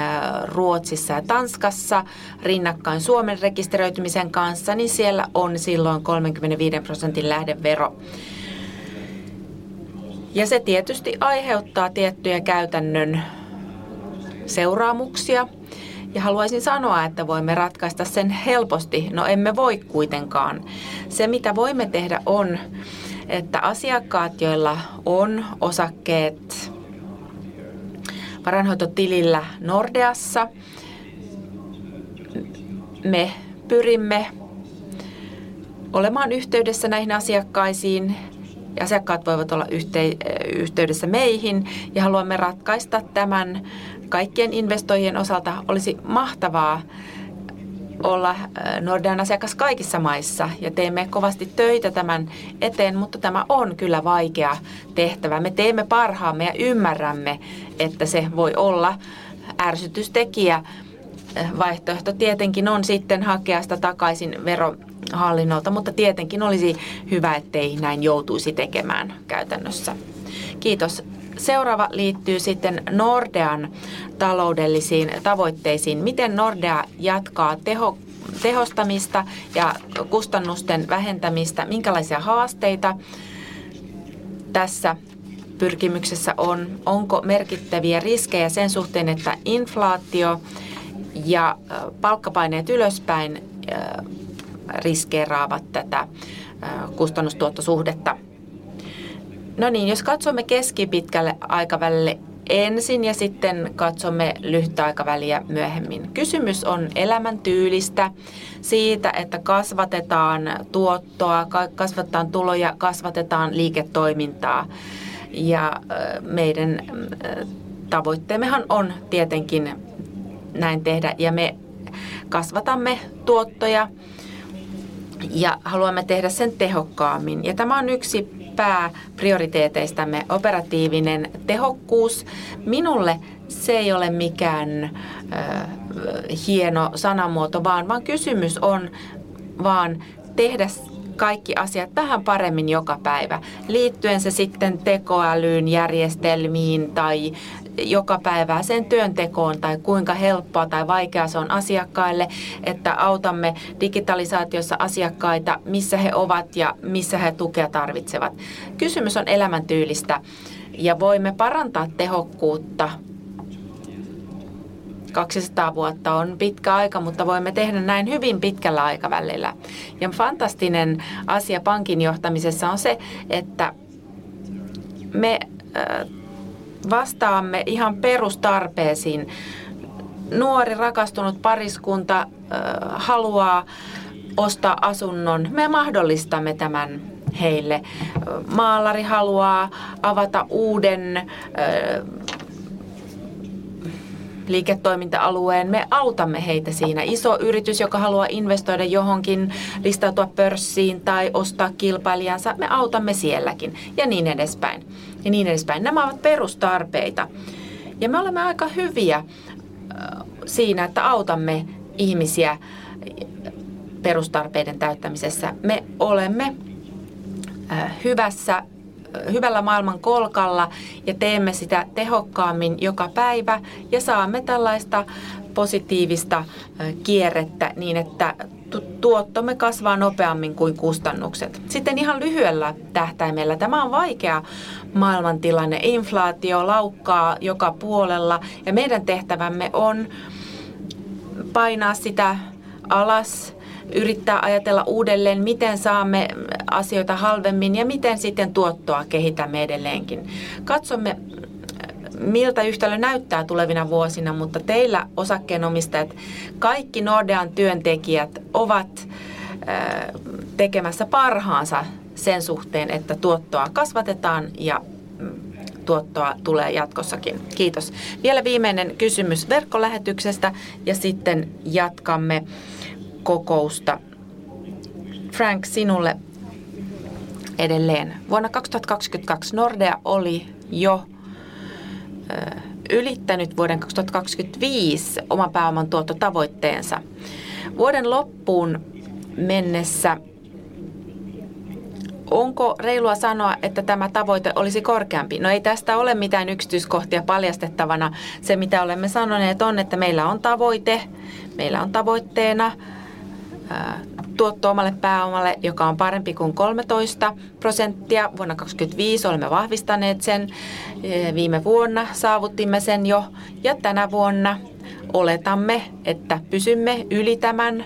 Speaker 7: Ruotsissa ja Tanskassa rinnakkain Suomen rekisteröitymisen kanssa, niin siellä on silloin 35% lähdevero. Se tietysti aiheuttaa tiettyjä käytännön seuraamuksia. Haluaisin sanoa, että voimme ratkaista sen helposti. No, emme voi kuitenkaan. Se mitä voimme tehdä on, että asiakkaat, joilla on osakkeet varainhoitotilillä Nordeassa. Me pyrimme olemaan yhteydessä näihin asiakkaisiin ja asiakkaat voivat olla yhteydessä meihin ja haluamme ratkaista tämän kaikkien investoijien osalta. Olisi mahtavaa olla Nordean asiakas kaikissa maissa ja teemme kovasti töitä tämän eteen, mutta tämä on kyllä vaikea tehtävä. Me teemme parhaamme ja ymmärrämme, että se voi olla ärsytystekijä. Vaihtoehto tietenkin on sitten hakea sitä takaisin Verohallinnolta, mutta tietenkin olisi hyvä, ettei näin joutuisi tekemään käytännössä. Kiitos! Seuraava liittyy sitten Nordean taloudellisiin tavoitteisiin. Miten Nordea jatkaa tehostamista ja kustannusten vähentämistä? Minkälaisia haasteita tässä pyrkimyksessä on? Onko merkittäviä riskejä sen suhteen, että inflaatio ja palkkapaineet ylöspäin riskeeraavat tätä kustannustuottosuhdetta? No niin, jos katsomme keskipitkälle aikavälille ensin ja sitten katsomme lyhyttä aikaväliä myöhemmin. Kysymys on elämäntyylistä. Siitä, että kasvatetaan tuottoa, kasvatetaan tuloja, kasvatetaan liiketoimintaa. Meidän tavoitteemmehan on tietenkin näin tehdä ja me kasvatamme tuottoja ja haluamme tehdä sen tehokkaammin. Tämä on yksi pääprioriteeteistamme operatiivinen tehokkuus. Minulle se ei ole mikään hieno sanamuoto, vaan kysymys on vaan tehdä kaikki asiat vähän paremmin joka päivä, liittyen se sitten tekoälyyn, järjestelmiin tai jokapäiväiseen työntekoon tai kuinka helppoa tai vaikeaa se on asiakkaille, että autamme digitalisaatiossa asiakkaita missä he ovat ja missä he tukea tarvitsevat. Kysymys on elämäntyylistä ja voimme parantaa tehokkuutta. 200 vuotta on pitkä aika, mutta voimme tehdä näin hyvin pitkällä aikavälillä. Fantastinen asia pankin johtamisessa on se, että me vastaamme ihan perustarpeisiin. Nuori rakastunut pariskunta haluaa ostaa asunnon. Me mahdollistamme tämän heille. Maalari haluaa avata uuden. Liiketoiminta-alueen. Me autamme heitä siinä. Iso yritys, joka haluaa investoida johonkin, listautua pörssiin tai ostaa kilpailijansa. Me autamme sielläkin. Niin edespäin ja niin edespäin. Nämä ovat perustarpeita ja me olemme aika hyviä siinä, että autamme ihmisiä perustarpeiden täyttämisessä. Me olemme hyvässä hyvällä maailman kolkalla ja teemme sitä tehokkaammin joka päivä ja saamme tällaista positiivista kierrettä niin, että tuottomme kasvaa nopeammin kuin kustannukset. Ihan lyhyellä tähtäimellä tämä on vaikea maailmantilanne. Inflaatio laukkaa joka puolella ja meidän tehtävämme on.
Speaker 3: Painaa sitä alas, yrittää ajatella uudelleen miten saamme asioita halvemmin ja miten sitten tuottoa kehitämme edelleenkin. Katsomme miltä yhtälö näyttää tulevina vuosina, mutta teillä osakkeenomistajat, kaikki Nordean työntekijät ovat tekemässä parhaansa sen suhteen, että tuottoa kasvatetaan ja tuottoa tulee jatkossakin. Kiitos! Vielä viimeinen kysymys verkkolähetyksestä ja sitten jatkamme kokousta. Frank, sinulle edelleen. Vuonna 2022 Nordea oli jo ylittänyt vuoden 2025 oman pääoman tuottotavoitteensa vuoden loppuun mennessä. Onko reilua sanoa, että tämä tavoite olisi korkeampi? Ei tästä ole mitään yksityiskohtia paljastettavana. Se mitä olemme sanoneet on, että meillä on tavoite. Meillä on tavoitteena tuotto omalle pääomalle, joka on parempi kuin 13% vuonna 2025. Olemme vahvistaneet sen. Viime vuonna saavutimme sen jo ja tänä vuonna oletamme, että pysymme yli tämän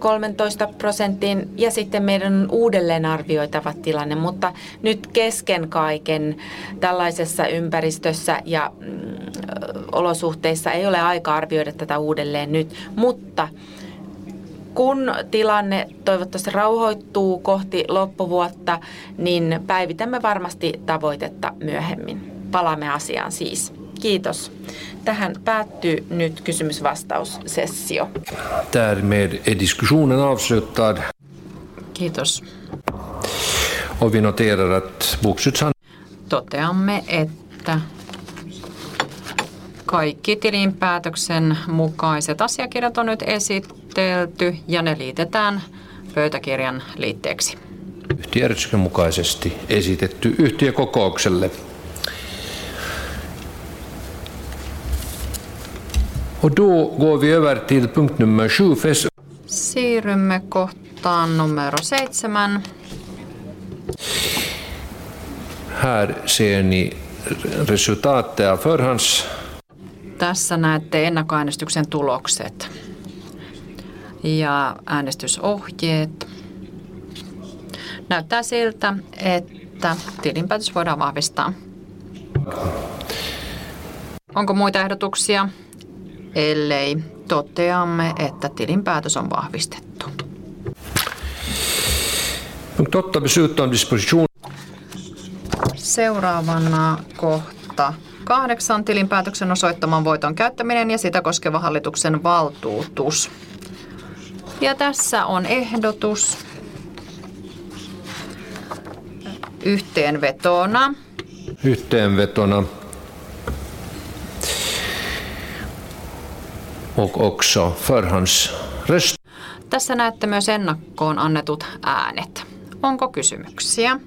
Speaker 3: 13%:n ja sitten meidän on uudelleenarvioitava tilanne. Nyt kesken kaiken tällaisessa ympäristössä ja olosuhteissa ei ole aikaa arvioida tätä uudelleen nyt, mutta kun tilanne toivottavasti rauhoittuu kohti loppuvuotta, niin päivitämme varmasti tavoitetta myöhemmin. Palaamme asiaan siis. Kiitos! Tähän päättyy nyt kysymys vastaus sessio.
Speaker 5: Tärmed e diskussionen avslutad.
Speaker 3: Kiitos.
Speaker 5: Och vi noterar att.
Speaker 3: Toteamme, että kaikki tilinpäätöksen mukaiset asiakirjat on nyt esitelty ja ne liitetään pöytäkirjan liitteeksi.
Speaker 5: Yhtiöjärjestyksen mukaisesti esitetty yhtiökokoukselle. Och då går vi över till punkt nummer 7.
Speaker 3: Siirrymme kohtaan numero seven.
Speaker 5: Här ser ni resultatet av förhands.
Speaker 3: Tässä näette ennakkoäänestyksen tulokset ja äänestysohjeet. Näyttää siltä, että tilinpäätös voidaan vahvistaa. Onko muita ehdotuksia? Ellei, toteamme, että tilinpäätös on vahvistettu.
Speaker 5: Nu fattar vi beslut om disposition.
Speaker 3: Seuraavana kohta 8 tilinpäätöksen osoittaman voiton käyttäminen ja sitä koskeva hallituksen valtuutus. Tässä on ehdotus. Yhteenvetona.
Speaker 5: Yhteenvetona. Och också förhands
Speaker 3: Tässä näette myös ennakkoon annetut äänet. Onko kysymyksiä?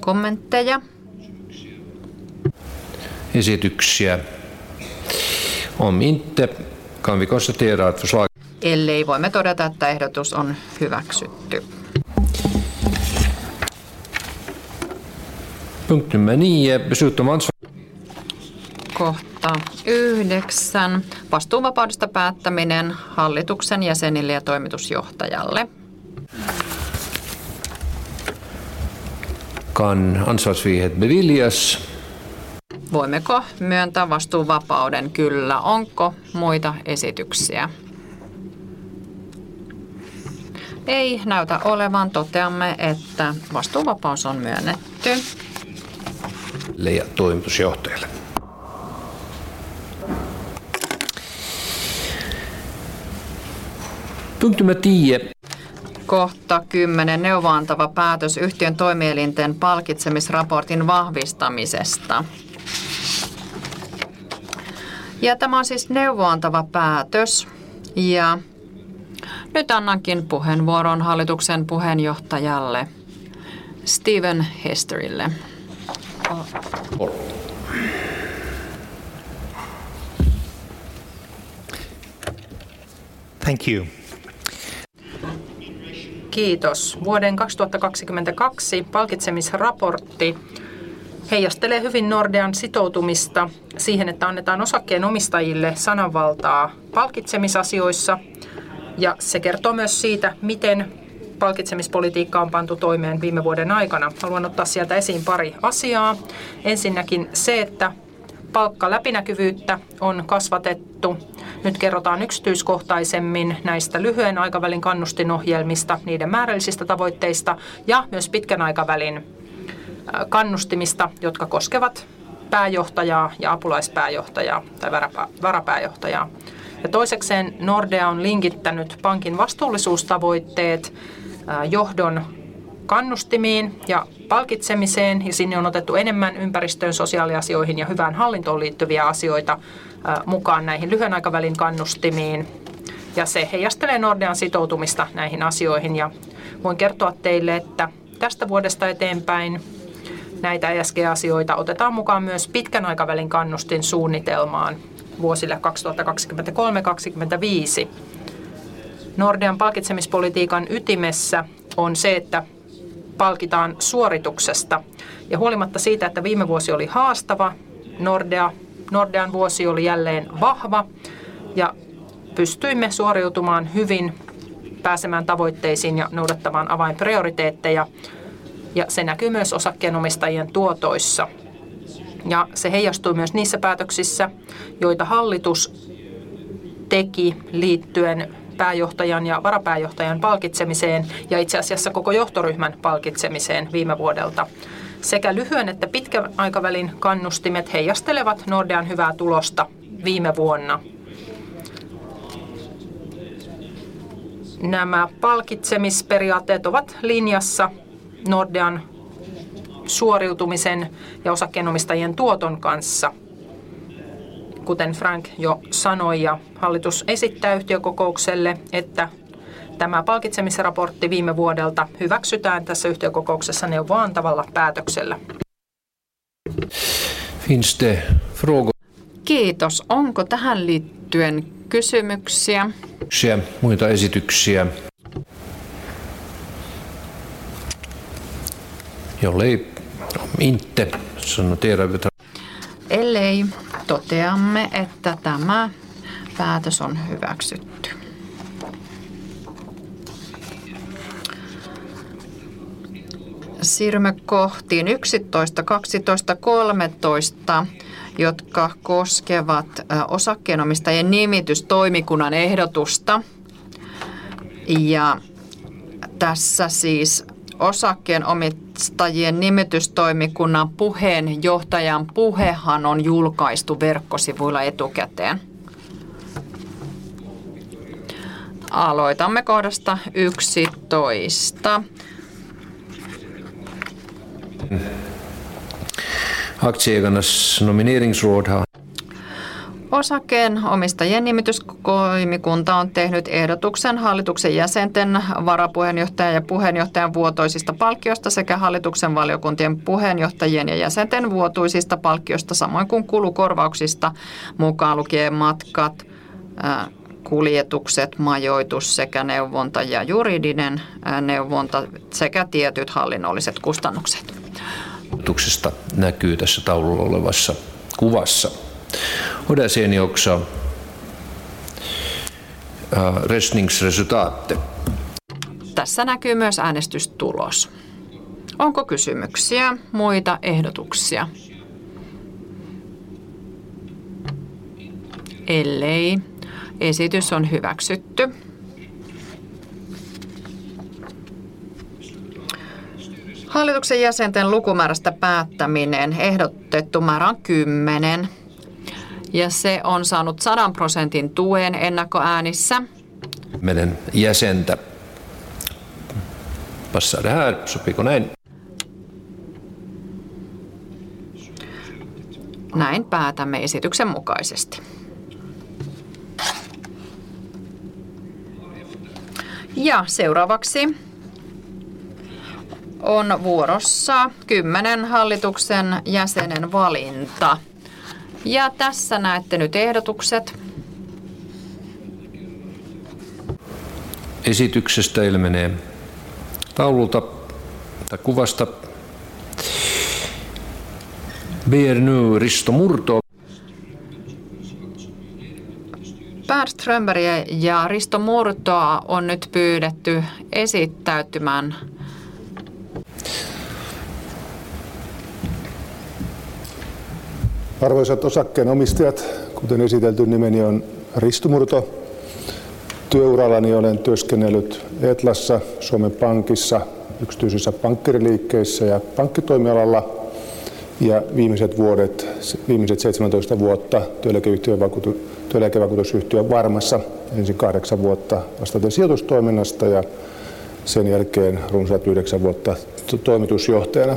Speaker 3: Kommentteja?
Speaker 5: Esityksiä? Om inte, kan vi konstatera att.
Speaker 3: Ellei, voimme todeta, että ehdotus on hyväksytty.
Speaker 5: Punkt nummer 9. Beslut om ansvar-
Speaker 3: Kohta yhdeksän. Vastuuvapaudesta päättäminen hallituksen jäsenille ja toimitusjohtajalle.
Speaker 5: Kan ansvarsfrihet beviljas?
Speaker 3: Voimmeko myöntää vastuuvapauden? Kyllä. Onko muita esityksiä? Ei näytä olevan. Toteamme, että vastuuvapaus on myönnetty.
Speaker 5: Le ja toimitusjohtajalle. Punkt nummer 10.
Speaker 3: Kohta 10. Neuvoa-antava päätös yhtiön toimielinten palkitsemisraportin vahvistamisesta. Tämä on siis neuvoa-antava päätös. Nyt annankin puheenvuoron hallituksen puheenjohtajalle Stephen Hesterille.
Speaker 5: Var.
Speaker 1: Thank you.
Speaker 3: Kiitos! Vuoden 2022 palkitsemisraportti heijastelee hyvin Nordean sitoutumista siihen, että annetaan osakkeenomistajille sananvaltaa palkitsemisasioissa, se kertoo myös siitä, miten palkitsemispolitiikka on pantu toimeen viime vuoden aikana. Haluan ottaa sieltä esiin pari asiaa. Ensinnäkin se, että palkkaläpinäkyvyyttä on kasvatettu. Nyt kerrotaan yksityiskohtaisemmin näistä lyhyen aikavälin kannustinohjelmista, niiden määrällisistä tavoitteista ja myös pitkän aikavälin kannustimista, jotka koskevat pääjohtajaa ja apulaispääjohtajaa tai varapääjohtajaa. Toisekseen Nordea on linkittänyt pankin vastuullisuustavoitteet johdon kannustimiin ja palkitsemiseen, sinne on otettu enemmän ympäristöön, sosiaaliasioihin ja hyvään hallintoon liittyviä asioita mukaan näihin lyhyen aikavälin kannustimiin, se heijastelee Nordean sitoutumista näihin asioihin. Voin kertoa teille, että tästä vuodesta eteenpäin näitä ESG-asioita otetaan mukaan myös pitkän aikavälin kannustinsuunnitelmaan vuosille 2023-2025. Nordean palkitsemispolitiikan ytimessä on se, että palkitaan suorituksesta. Huolimatta siitä, että viime vuosi oli haastava, Nordea Nordean vuosi oli jälleen vahva ja pystyimme suoriutumaan hyvin, pääsemään tavoitteisiin ja noudattamaan avainprioriteetteja ja se näkyy myös osakkeenomistajien tuotoissa ja se heijastui myös niissä päätöksissä, joita hallitus teki liittyen pääjohtajan ja varapääjohtajan palkitsemiseen ja itse asiassa koko johtoryhmän palkitsemiseen viime vuodelta. Sekä lyhyen että pitkän aikavälin kannustimet heijastelevat Nordean hyvää tulosta viime vuonna. Nämä palkitsemisperiaatteet ovat linjassa Nordean suoriutumisen ja osakkeenomistajien tuoton kanssa, kuten Frank jo sanoi, ja hallitus esittää yhtiökokoukselle, että tämä palkitsemisraportti viime vuodelta hyväksytään tässä yhtiökokouksessa neuvonantavalla päätöksellä.
Speaker 5: Finns det frågor?
Speaker 4: Kiitos! Onko tähän liittyen kysymyksiä?
Speaker 5: Muita esityksiä. Jollei inte sano teidän.
Speaker 4: Ellei, toteamme, että tämä päätös on hyväksytty. Siirrymme kohtiin 11 12 13, jotka koskevat osakkeenomistajien nimitystoimikunnan ehdotusta. Tässä siis osakkeenomistajien nimitystoimikunnan puheenjohtajan puhehan on julkaistu verkkosivuilla etukäteen. Aloitamme kohdasta 11.
Speaker 5: Aktieägarnas nomineringsråd har.
Speaker 4: Osakkeenomistajien nimitystoimikunta on tehnyt ehdotuksen hallituksen jäsenten varapuheenjohtajan ja puheenjohtajan vuotuisista palkkioista sekä hallituksen valiokuntien puheenjohtajien ja jäsenten vuotuisista palkkioista, samoin kuin kulukorvauksista, mukaan lukien matkat, kuljetukset, majoitus sekä neuvonta ja juridinen neuvonta sekä tietyt hallinnolliset kustannukset.
Speaker 5: Näkyy tässä taululla olevassa kuvassa. Olaseni okseä resningsresutate.
Speaker 4: Tässä näkyy myös äänestystulos. Onko kysymyksiä? Muita ehdotuksia? Ellei, esitys on hyväksytty. Hallituksen jäsenten lukumäärästä päättäminen. Ehdotettu määrä on 10 ja se on saanut 100% tuen ennakkoäänissä.
Speaker 5: Jäsentä. Passaa tähän. Sopiiko näin?
Speaker 4: Näin päätämme esityksen mukaisesti. Seuraavaksi on vuorossa 10 hallituksen jäsenen valinta. Tässä näette nyt ehdotukset.
Speaker 5: Esityksestä ilmenee taululta tai kuvasta. Birger Risto Murto.
Speaker 4: Bergs Strömbergia ja Risto Murtoa on nyt pyydetty esittäytymään.
Speaker 2: Arvoisat osakkeenomistajat, Kuten esitelty, nimeni on Risto Murto. Työurallani olen työskennellyt ETLAssa, Suomen Pankissa, yksityisissä pankkiiriliikkeissä ja pankkitoimialalla ja viimeiset 17 vuotta työeläkeyhtiön työeläkevakuutusyhtiö Varmassa. Ensin 8 vuotta vastaten sijoitustoiminnasta ja sen jälkeen runsavat 9 vuotta toimitusjohtajana.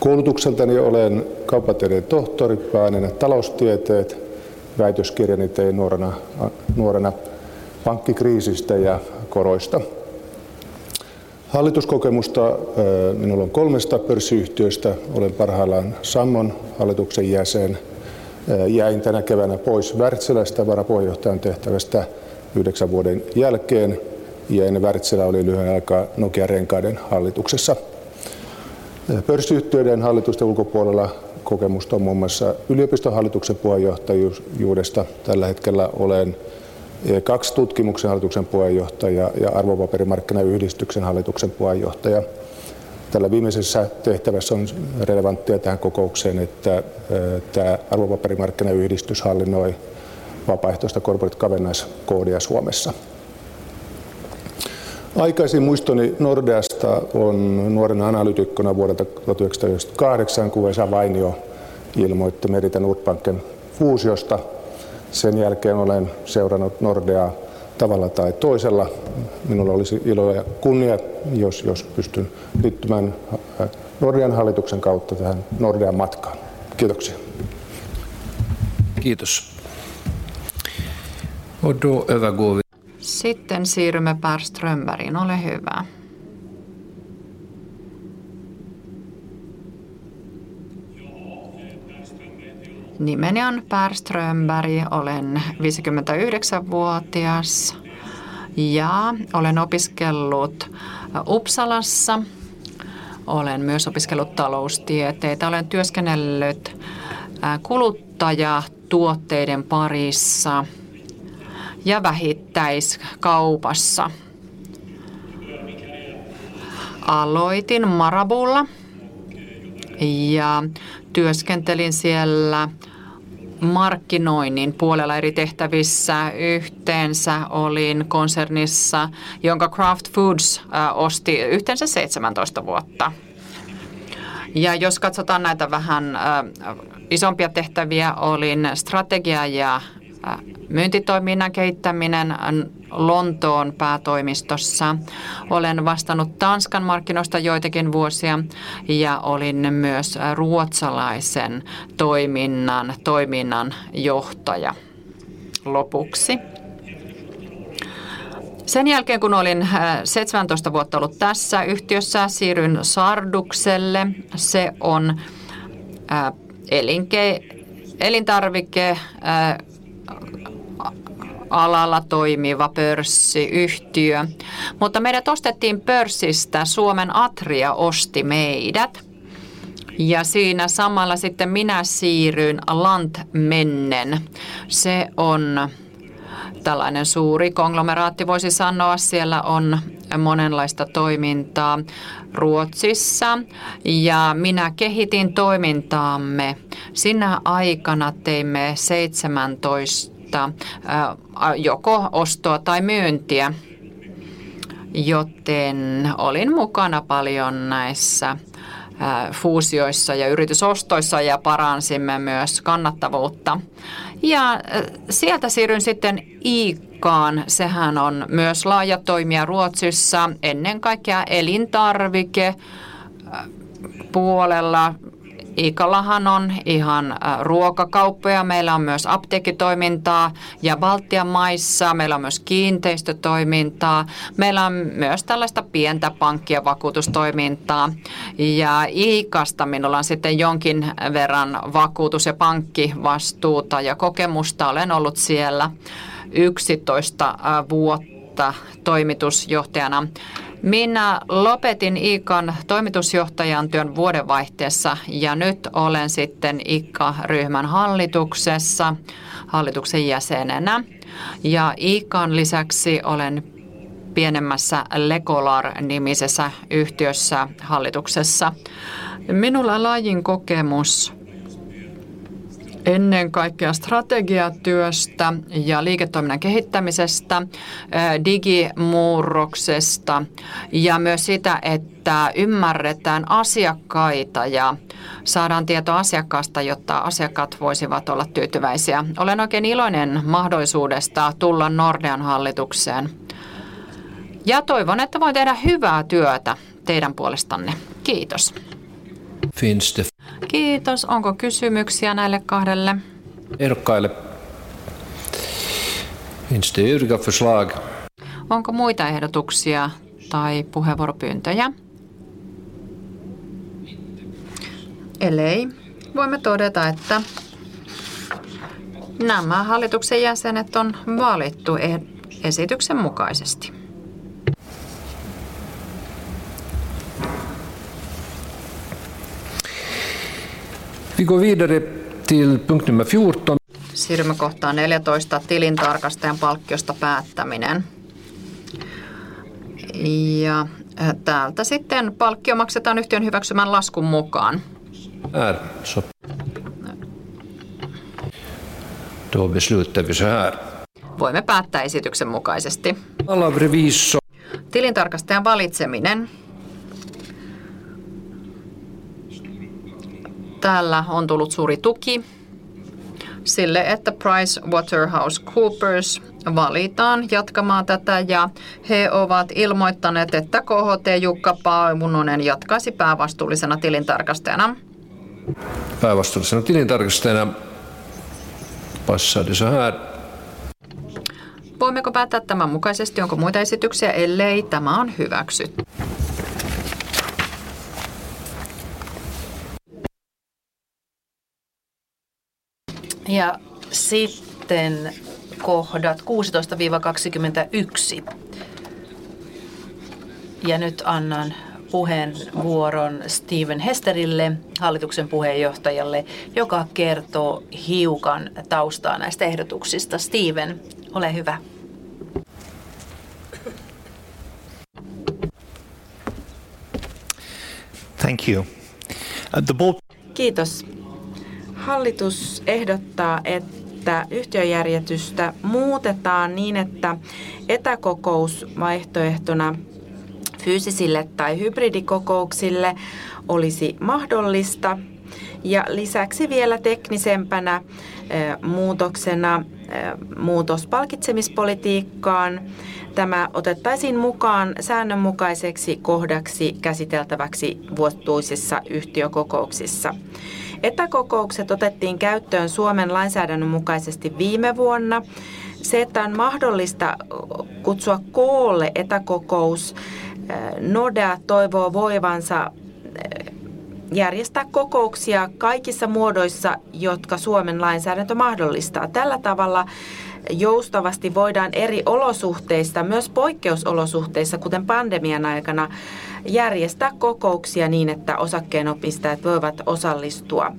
Speaker 2: Koulutukseltani olen kauppatieteiden tohtori, pääaineena taloustieteet. Väitöskirjani tein nuorena pankkikriisistä ja koroista. Hallituskokemusta minulla on 3 pörssiyhtiöstä. Olen parhaillaan Sammon hallituksen jäsen. Jäin tänä keväänä pois Wärtsilästä varapuheenjohtajan tehtävästä 9 vuoden jälkeen ja ennen Wärtsilää olin lyhyen aikaa Nokian Renkaiden hallituksessa. Pörssiyhtiöiden hallitusten ulkopuolella kokemusta on muun muassa yliopiston hallituksen puheenjohtajuudesta. Tällä hetkellä olen kaksi Tutkimuksen hallituksen puheenjohtajaa ja Arvopaperimarkkinayhdistyksen hallituksen puheenjohtaja. Tällä viimeisessä tehtävässä on relevanttia tähän kokoukseen, että tämä Arvopaperimarkkinayhdistys hallinnoi vapaaehtoista Corporate Governance Codea Suomessa. Aikaisin muistoni Nordeasta on nuorena analyytikkona vuodelta 1998, kun Vesa Vainio ilmoitti MeritaNordbanken fuusiosta. Sen jälkeen olen seurannut Nordeaa tavalla tai toisella. Minulle olisi ilo ja kunnia, jos pystyn liittymään Nordean hallituksen kautta tähän Nordean matkaan. Kiitoksia!
Speaker 5: Kiitos. Då övergår vi.
Speaker 4: Siirrymme Per Strömberg. Ole hyvä. Nimeni on Per Strömberg. Olen 59-vuotias ja olen opiskellut Uppsalassa. Olen myös opiskellut taloustieteitä. Olen työskennellyt kuluttajatuotteiden parissa ja vähittäiskaupassa. Aloitin Maraboulla ja työskentelin siellä markkinoinnin puolella eri tehtävissä. Yhteensä olin konsernissa, jonka Kraft Foods osti yhteensä 17 vuotta. Jos katsotaan näitä vähän isompia tehtäviä, olin strategia ja myyntitoiminnan kehittäminen Lontoon päätoimistossa. Olen vastannut Tanskan markkinoista joitakin vuosia ja olin myös ruotsalaisen toiminnan toiminnanjohtaja lopuksi. Sen jälkeen kun olin 17 vuotta ollut tässä yhtiössä, siirryin Sardus. Se on elintarvikealalla toimiva pörssiyhtiö, mutta meidät ostettiin pörssistä. Suomen Atria osti meidät ja siinä samalla sitten minä siirryin Lantmännen. Se on tällainen suuri konglomeraatti, voisi sanoa. Siellä on monenlaista toimintaa Ruotsissa ja minä kehitin toimintaamme. Sinä aikana teimme 17 joko ostoa tai myyntiä, joten olin mukana paljon näissä fuusioissa ja yritysostoissa ja paransimme myös kannattavuutta. Sieltä siirryin sitten ICAan. Sehän on myös laaja toimija Ruotsissa, ennen kaikkea elintarvikepuolella. ICAllahan on ihan ruokakauppoja. Meillä on myös apteekkitoimintaa ja Baltian maissa meillä on myös kiinteistötoimintaa. Meillä on myös tällaista pientä pankki ja vakuutustoimintaa ja ICAsta minulla on sitten jonkin verran vakuutus ja pankkivastuuta ja kokemusta. Olen ollut siellä 11 vuotta toimitusjohtajana. Minä lopetin ICAn toimitusjohtajan työn vuodenvaihteessa ja nyt olen sitten ICA ryhmän hallituksessa hallituksen jäsenenä ja ICAn lisäksi olen pienemmässä Lekolar -nimisessä yhtiössä hallituksessa. Minulla on laaja kokemus ennen kaikkea strategiatyöstä ja liiketoiminnan kehittämisestä, digimurroksesta ja myös siitä, että ymmärretään asiakkaita ja saadaan tietoa asiakkaasta, jotta asiakkaat voisivat olla tyytyväisiä. Olen oikein iloinen mahdollisuudesta tulla Nordean hallitukseen ja toivon, että voin tehdä hyvää työtä teidän puolestanne. Kiitos.
Speaker 5: Finster.
Speaker 4: Kiitos! Onko kysymyksiä näille kahdelle?
Speaker 5: Ehdokkaille? Finns det yrka förslag?
Speaker 4: Onko muita ehdotuksia tai puheenvuoropyyntöjä? Ellei, voimme todeta, että nämä hallituksen jäsenet on valittu esityksen mukaisesti.
Speaker 5: Vi går vidare till punkt nummer 14.
Speaker 4: Siirrymme kohtaan 14. Tilintarkastajan palkkiosta päättäminen. Täältä sitten palkkio maksetaan yhtiön hyväksymän laskun mukaan.
Speaker 5: Beslutar vi så här.
Speaker 4: Voimme päättää esityksen mukaisesti.
Speaker 5: Val av revisor.
Speaker 4: Tilintarkastajan valitseminen. Täällä on tullut suuri tuki sille, että PricewaterhouseCoopers valitaan jatkamaan tätä ja he ovat ilmoittaneet, että KHT Jukka Paunonen jatkaisi päävastuullisena tilintarkastajana.
Speaker 5: Päävastuullisena tilintarkastajana. Passar det så här?
Speaker 4: Voimmeko päättää tämän mukaisesti? Onko muita esityksiä? Ellei, tämä on hyväksytty. Sitten kohdat 16-21. Nyt annan puheenvuoron Stephen Hesterille, hallituksen puheenjohtajalle, joka kertoo hiukan taustaa näistä ehdotuksista. Stephen, ole hyvä.
Speaker 1: Thank you.
Speaker 4: Kiitos! Hallitus ehdottaa, että yhtiöjärjestystä muutetaan niin, että etäkokous vaihtoehtona fyysisille tai hybridikokouksille olisi mahdollista. Lisäksi vielä teknisempänä muutoksena muutos palkitsemispolitiikkaan. Tämä otettaisiin mukaan säännönmukaiseksi kohdaksi käsiteltäväksi vuotuisissa yhtiökokouksissa. Etäkokoukset otettiin käyttöön Suomen lainsäädännön mukaisesti viime vuonna.
Speaker 7: Se, että on mahdollista kutsua koolle etäkokous. Nordea toivoo voivansa järjestää kokouksia kaikissa muodoissa, jotka Suomen lainsäädäntö mahdollistaa. Tällä tavalla joustavasti voidaan eri olosuhteissa, myös poikkeusolosuhteissa, kuten pandemian aikana järjestää kokouksia niin, että osakkeenomistajat voivat osallistua.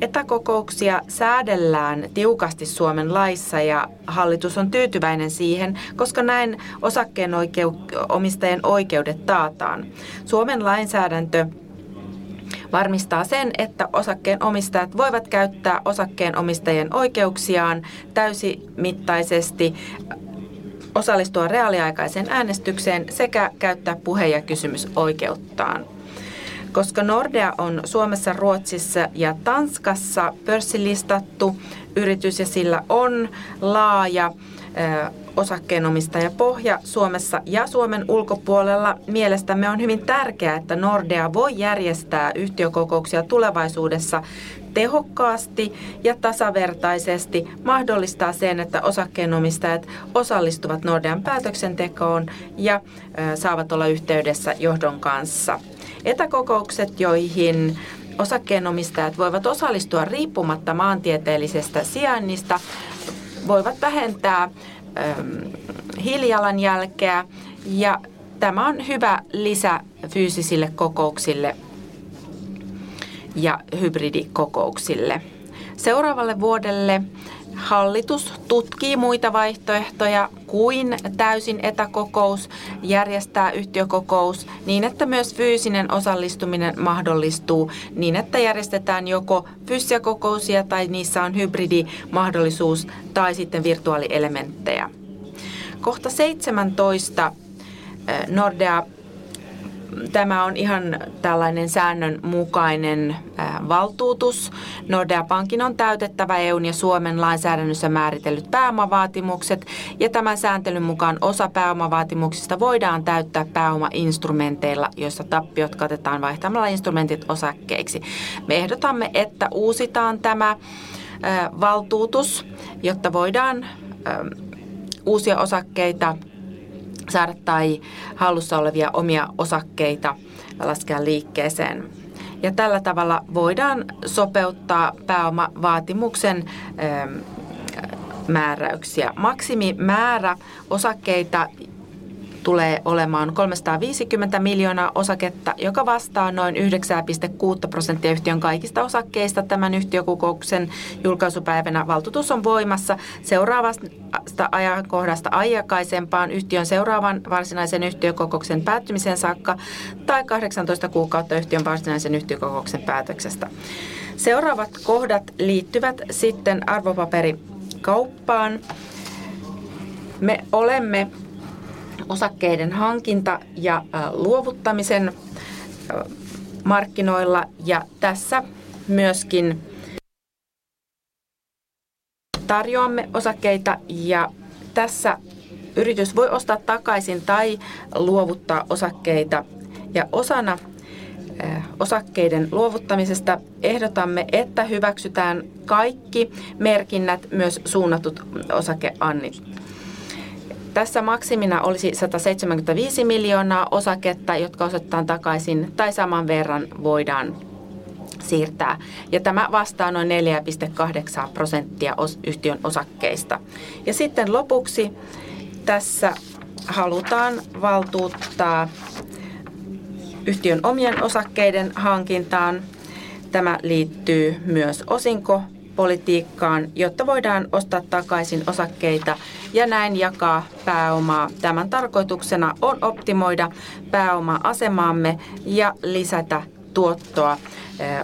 Speaker 7: Etäkokouksia säädellään tiukasti Suomen laissa ja hallitus on tyytyväinen siihen, koska näin osakkeenomistajan oikeudet taataan. Suomen lainsäädäntö varmistaa sen, että osakkeenomistajat voivat käyttää osakkeenomistajien oikeuksiaan täysimittaisesti, osallistua reaaliaikaiseen äänestykseen sekä käyttää puhe- ja kysymysoikeuttaan. Koska Nordea on Suomessa, Ruotsissa ja Tanskassa pörssilistattu yritys ja sillä on laaja osakkeenomistajapohja Suomessa ja Suomen ulkopuolella, mielestämme on hyvin tärkeää, että Nordea voi järjestää yhtiökokouksia tulevaisuudessa tehokkaasti ja tasavertaisesti, mahdollistaa sen, että osakkeenomistajat osallistuvat Nordean päätöksentekoon ja saavat olla yhteydessä johdon kanssa. Etäkokoukset, joihin osakkeenomistajat voivat osallistua riippumatta maantieteellisestä sijainnista, voivat vähentää hiilijalanjälkeä ja tämä on hyvä lisä fyysisille kokouksille ja hybridikokouksille. Seuraavalle vuodelle hallitus tutkii muita vaihtoehtoja kuin täysin etäkokous järjestää yhtiökokous niin, että myös fyysinen osallistuminen mahdollistuu niin, että järjestetään joko fyysisiä kokouksia tai niissä on hybridimahdollisuus tai sitten virtuaalielementtejä. Kohta 17 Nordea. Tämä on ihan tällainen säännönmukainen valtuutus. Nordea Bankin on täytettävä EU:n ja Suomen lainsäädännössä määritellyt pääomavaatimukset ja tämän sääntelyn mukaan osa pääomavaatimuksista voidaan täyttää pääomainstrumenteilla, joissa tappiot katetaan vaihtamalla instrumentit osakkeiksi. Me ehdotamme, että uusitaan tämä valtuutus, jotta voidaan uusia osakkeita saada tai hallussa olevia omia osakkeita laskea liikkeeseen ja tällä tavalla voidaan sopeuttaa pääomavaatimuksen määräyksiä. Maksimimäärä osakkeita tulee olemaan 350 miljoonaa osaketta, joka vastaa noin 9.6% yhtiön kaikista osakkeista tämän yhtiökokouksen julkaisupäivänä. Valtuutus on voimassa seuraavasta ajankohdasta aikaisempaan yhtiön seuraavan varsinaisen yhtiökokouksen päättymiseen saakka tai 18 kuukautta yhtiön varsinaisen yhtiökokouksen päätöksestä. Seuraavat kohdat liittyvät sitten arvopaperikauppaan. Me olemme osakkeiden hankinta ja luovuttamisen markkinoilla ja tässä myöskin tarjoamme osakkeita ja tässä yritys voi ostaa takaisin tai luovuttaa osakkeita ja osana osakkeiden luovuttamisesta ehdotamme, että hyväksytään kaikki merkinnät, myös suunnatut osakeannit. Tässä maksimina olisi 175 miljoonaa osaketta, jotka ositetaan takaisin tai saman verran voidaan siirtää ja tämä vastaa noin 4.8% yhtiön osakkeista. Sitten lopuksi tässä halutaan valtuuttaa yhtiön omien osakkeiden hankintaan. Tämä liittyy myös osinkopolitiikkaan, jotta voidaan ostaa takaisin osakkeita ja näin jakaa pääomaa. Tämän tarkoituksena on optimoida pääoma-asemaamme ja lisätä tuottoa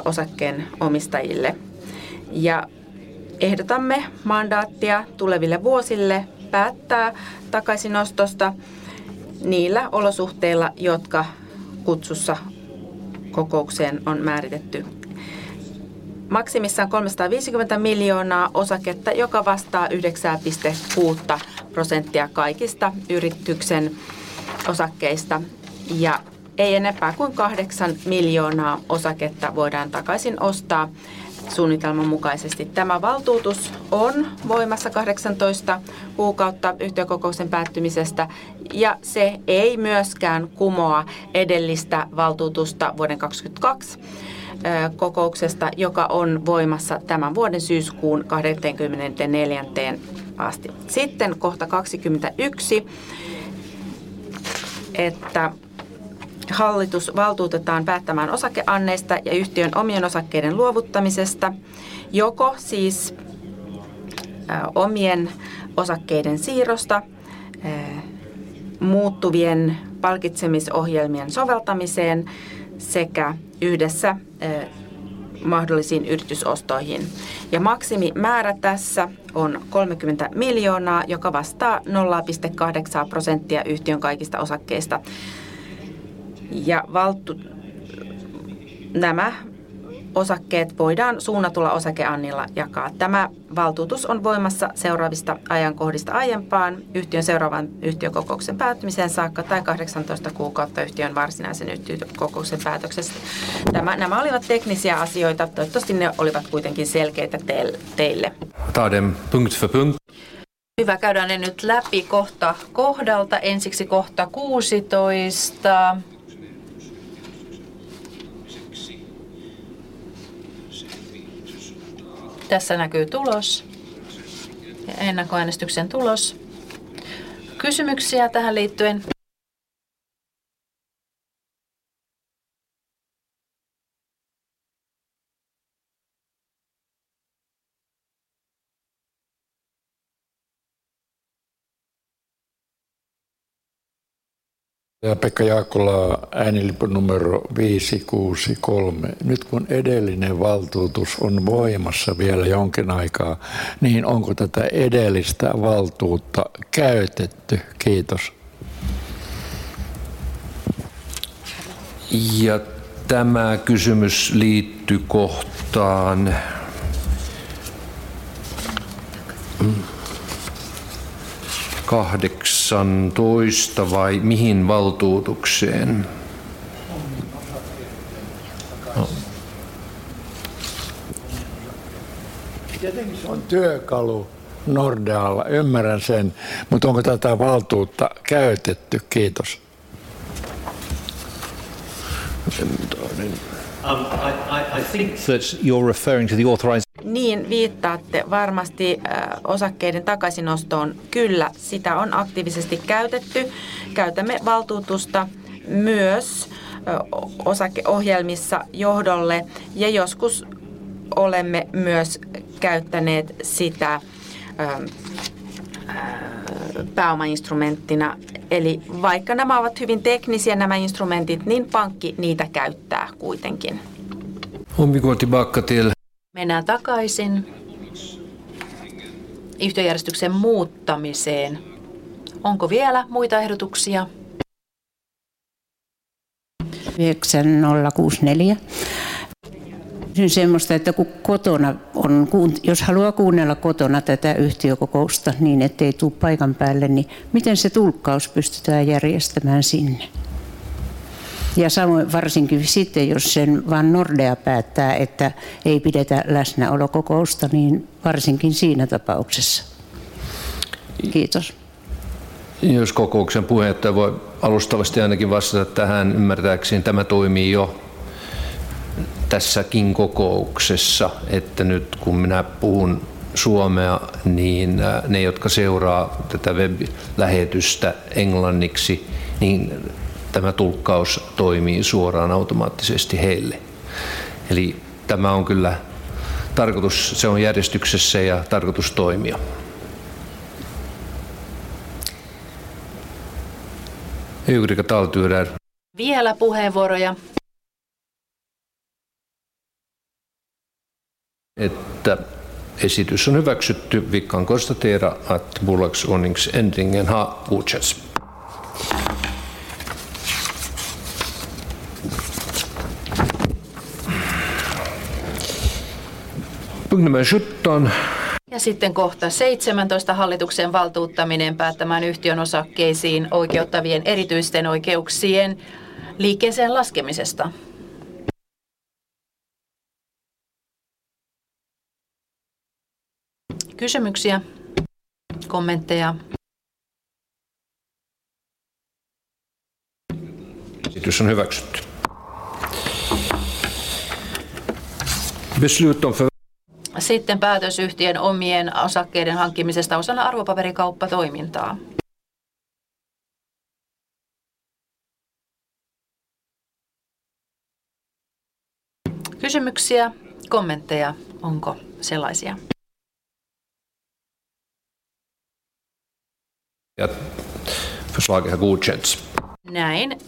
Speaker 7: osakkeenomistajille. Ehdotamme mandaattia tuleville vuosille päättää takaisinostosta niillä olosuhteilla, jotka kutsussa kokoukseen on määritetty maksimissaan 350 miljoonaa osaketta, joka vastaa 9.6% kaikista yrityksen osakkeista ja ei enempää kuin 8 miljoonaa osaketta voidaan takaisinostaa. Suunnitelman mukaisesti tämä valtuutus on voimassa 18 kuukautta yhtiökokouksen päättymisestä, se ei myöskään kumoa edellistä valtuutusta vuoden 2022 kokouksesta, joka on voimassa tämän vuoden syyskuun 24th asti. Kohta 21, että hallitus valtuutetaan päättämään osakeanneista ja yhtiön omien osakkeiden luovuttamisesta joko siis omien osakkeiden siirrosta muuttuvien palkitsemisohjelmien soveltamiseen sekä yhdessä mahdollisiin yritysostoihin, maksimimäärä tässä on 30 million, joka vastaa 0.8% yhtiön kaikista osakkeista. Nämä osakkeet voidaan suunnatulla osakeannilla jakaa. Tämä valtuutus on voimassa seuraavista ajankohdista aiempaan yhtiön seuraavan yhtiökokouksen päättymiseen saakka tai 18 kuukautta yhtiön varsinaisen yhtiökokouksen päätöksestä. Nämä olivat teknisiä asioita. Toivottavasti ne olivat kuitenkin selkeitä teille. Tar dem punkt för punkt
Speaker 3: Hyvä. Käydään ne nyt läpi kohta kohdalta. Ensiksi kohta 16. Tässä näkyy tulos ja ennakkoäänestyksen tulos. Kysymyksiä tähän liittyen.
Speaker 8: Pekka Jaakkola Äänilippu numero 563. Nyt kun edellinen valtuutus on voimassa vielä jonkin aikaa, niin onko tätä edellistä valtuutta käytetty? Kiitos.
Speaker 5: Tämä kysymys liittyi kohtaan 18 vai mihin valtuutukseen?
Speaker 8: Tietenkin se on työkalu Nordealla. Ymmärrän sen, onko tätä valtuutta käytetty? Kiitos.
Speaker 5: You're referring to the authorize?
Speaker 3: Viittaatte varmasti osakkeiden takaisinostoon. Kyllä sitä on aktiivisesti käytetty. Käytämme valtuutusta myös osakeohjelmissa johdolle ja joskus olemme myös käyttäneet sitä pääomainstrumenttina. Vaikka nämä ovat hyvin teknisiä nämä instrumentit, niin pankki niitä käyttää kuitenkin.
Speaker 5: Omikohti bakkatielle.
Speaker 3: Mennään takaisin yhtiöjärjestyksen muuttamiseen. Onko vielä muita ehdotuksia?
Speaker 10: 9064. Semmoista, että kun kotona on, jos haluaa kuunnella kotona tätä yhtiökokousta niin ettei tule paikan päälle, niin miten se tulkkaus pystytään järjestämään sinne? Samoin varsinkin sitten jos sen vaan Nordea päättää, että ei pidetä läsnäolokokousta, niin varsinkin siinä tapauksessa kiitos.
Speaker 5: Jos kokouksen puheenjohtaja voi alustavasti ainakin vastata tähän. Ymmärtääkseni tämä toimii jo tässäkin kokouksessa, että nyt kun minä puhun suomea, niin ne jotka seuraa tätä weblähetystä englanniksi, niin tämä tulkkaus toimii suoraan automaattisesti heille. Tämä on kyllä tarkoitus. Se on järjestyksessä ja tarkoitus toimia. Ei ole kriitä täällä tyydydään vielä puheenvuoroja. Esitys on hyväksytty. Vikkan konstatera att bolagsordningsändringen har godkänts.
Speaker 3: Punkt numero 17 ja sitten kohta 17: hallituksen valtuuttaminen päättämään yhtiön osakkeisiin oikeuttavien erityisten oikeuksien liikkeeseenlaskemisesta. Kysymyksiä, kommentteja.
Speaker 5: Esitys on hyväksytty.
Speaker 3: Päätös yhtiön omien osakkeiden hankkimisesta osana arvopaperikauppatoimintaa. Kysymyksiä, kommentteja Onko sellaisia?
Speaker 5: Ja försvaget har godkänt.
Speaker 3: Näin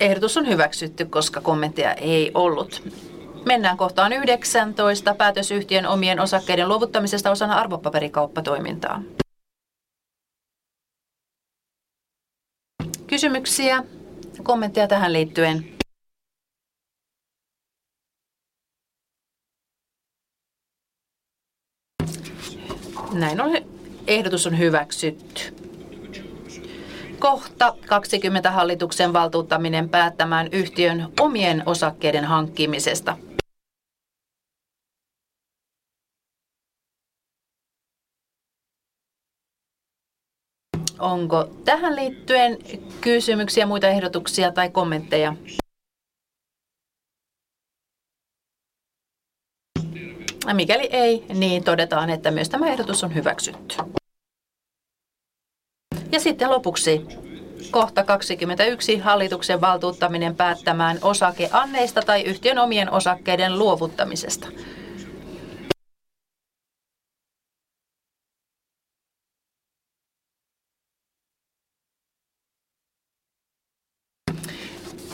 Speaker 3: ehdotus on hyväksytty, koska kommentteja ei ollut. Mennään kohtaan 19: päätös yhtiön omien osakkeiden luovuttamisesta osana arvopaperikauppatoimintaa. Kysymyksiä ja kommentteja tähän liittyen. Näin ollen ehdotus on hyväksytty. Kohta 20: hallituksen valtuuttaminen päättämään yhtiön omien osakkeiden hankkimisesta. Onko tähän liittyen kysymyksiä, muita ehdotuksia tai kommentteja? Mikäli ei, niin todetaan, että myös tämä ehdotus on hyväksytty. Sitten lopuksi kohta 21: hallituksen valtuuttaminen päättämään osakeanneista tai yhtiön omien osakkeiden luovuttamisesta.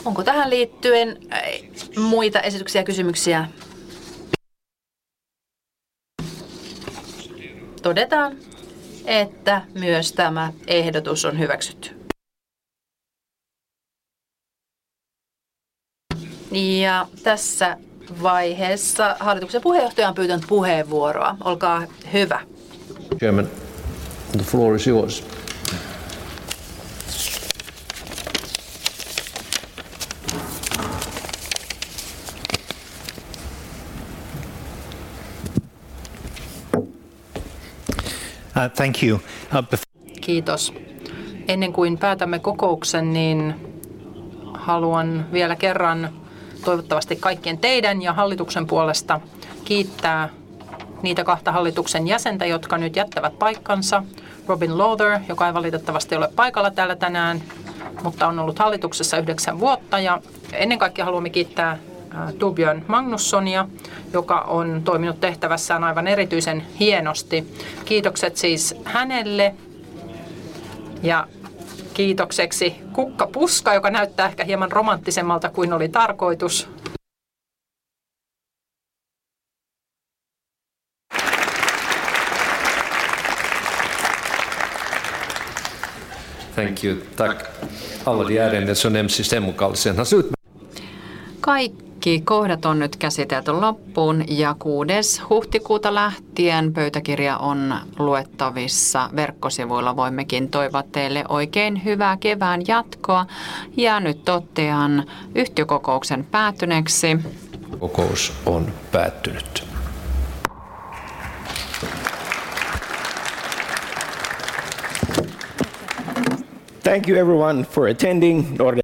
Speaker 3: Onko tähän liittyen muita esityksiä, kysymyksiä? Todetaan, että myös tämä ehdotus on hyväksytty. Tässä vaiheessa hallituksen puheenjohtaja on pyytänyt puheenvuoroa. Olkaa hyvä.
Speaker 5: The floor is yours.
Speaker 8: Thank you.
Speaker 3: Kiitos! Ennen kuin päätämme kokouksen, niin haluan vielä kerran toivottavasti kaikkien teidän ja hallituksen puolesta kiittää niitä kahta hallituksen jäsentä, jotka nyt jättävät paikkansa. Robin Lawther, joka ei valitettavasti ole paikalla täällä tänään, mutta on ollut hallituksessa yhdeksän vuotta. Ennen kaikkea haluamme kiittää Torbjörn Magnussonia, joka on toiminut tehtävässään aivan erityisen hienosti. Kiitokset siis hänelle ja kiitokseksi kukkapuska, joka näyttää ehkä hieman romanttisemmalta kuin oli tarkoitus.
Speaker 5: Thank you tack alla de här den som MC systemet kallar sin hasut.
Speaker 3: Kaikki kohdat on nyt käsitelty loppuun. Kuudes huhtikuuta lähtien pöytäkirja on luettavissa verkkosivuilla. Voimmekin toivottaa teille oikein hyvää kevään jatkoa. Nyt totean yhtiökokouksen päättyneeksi.
Speaker 5: Kokous on päättynyt.
Speaker 8: Thank you everyone for attending organ.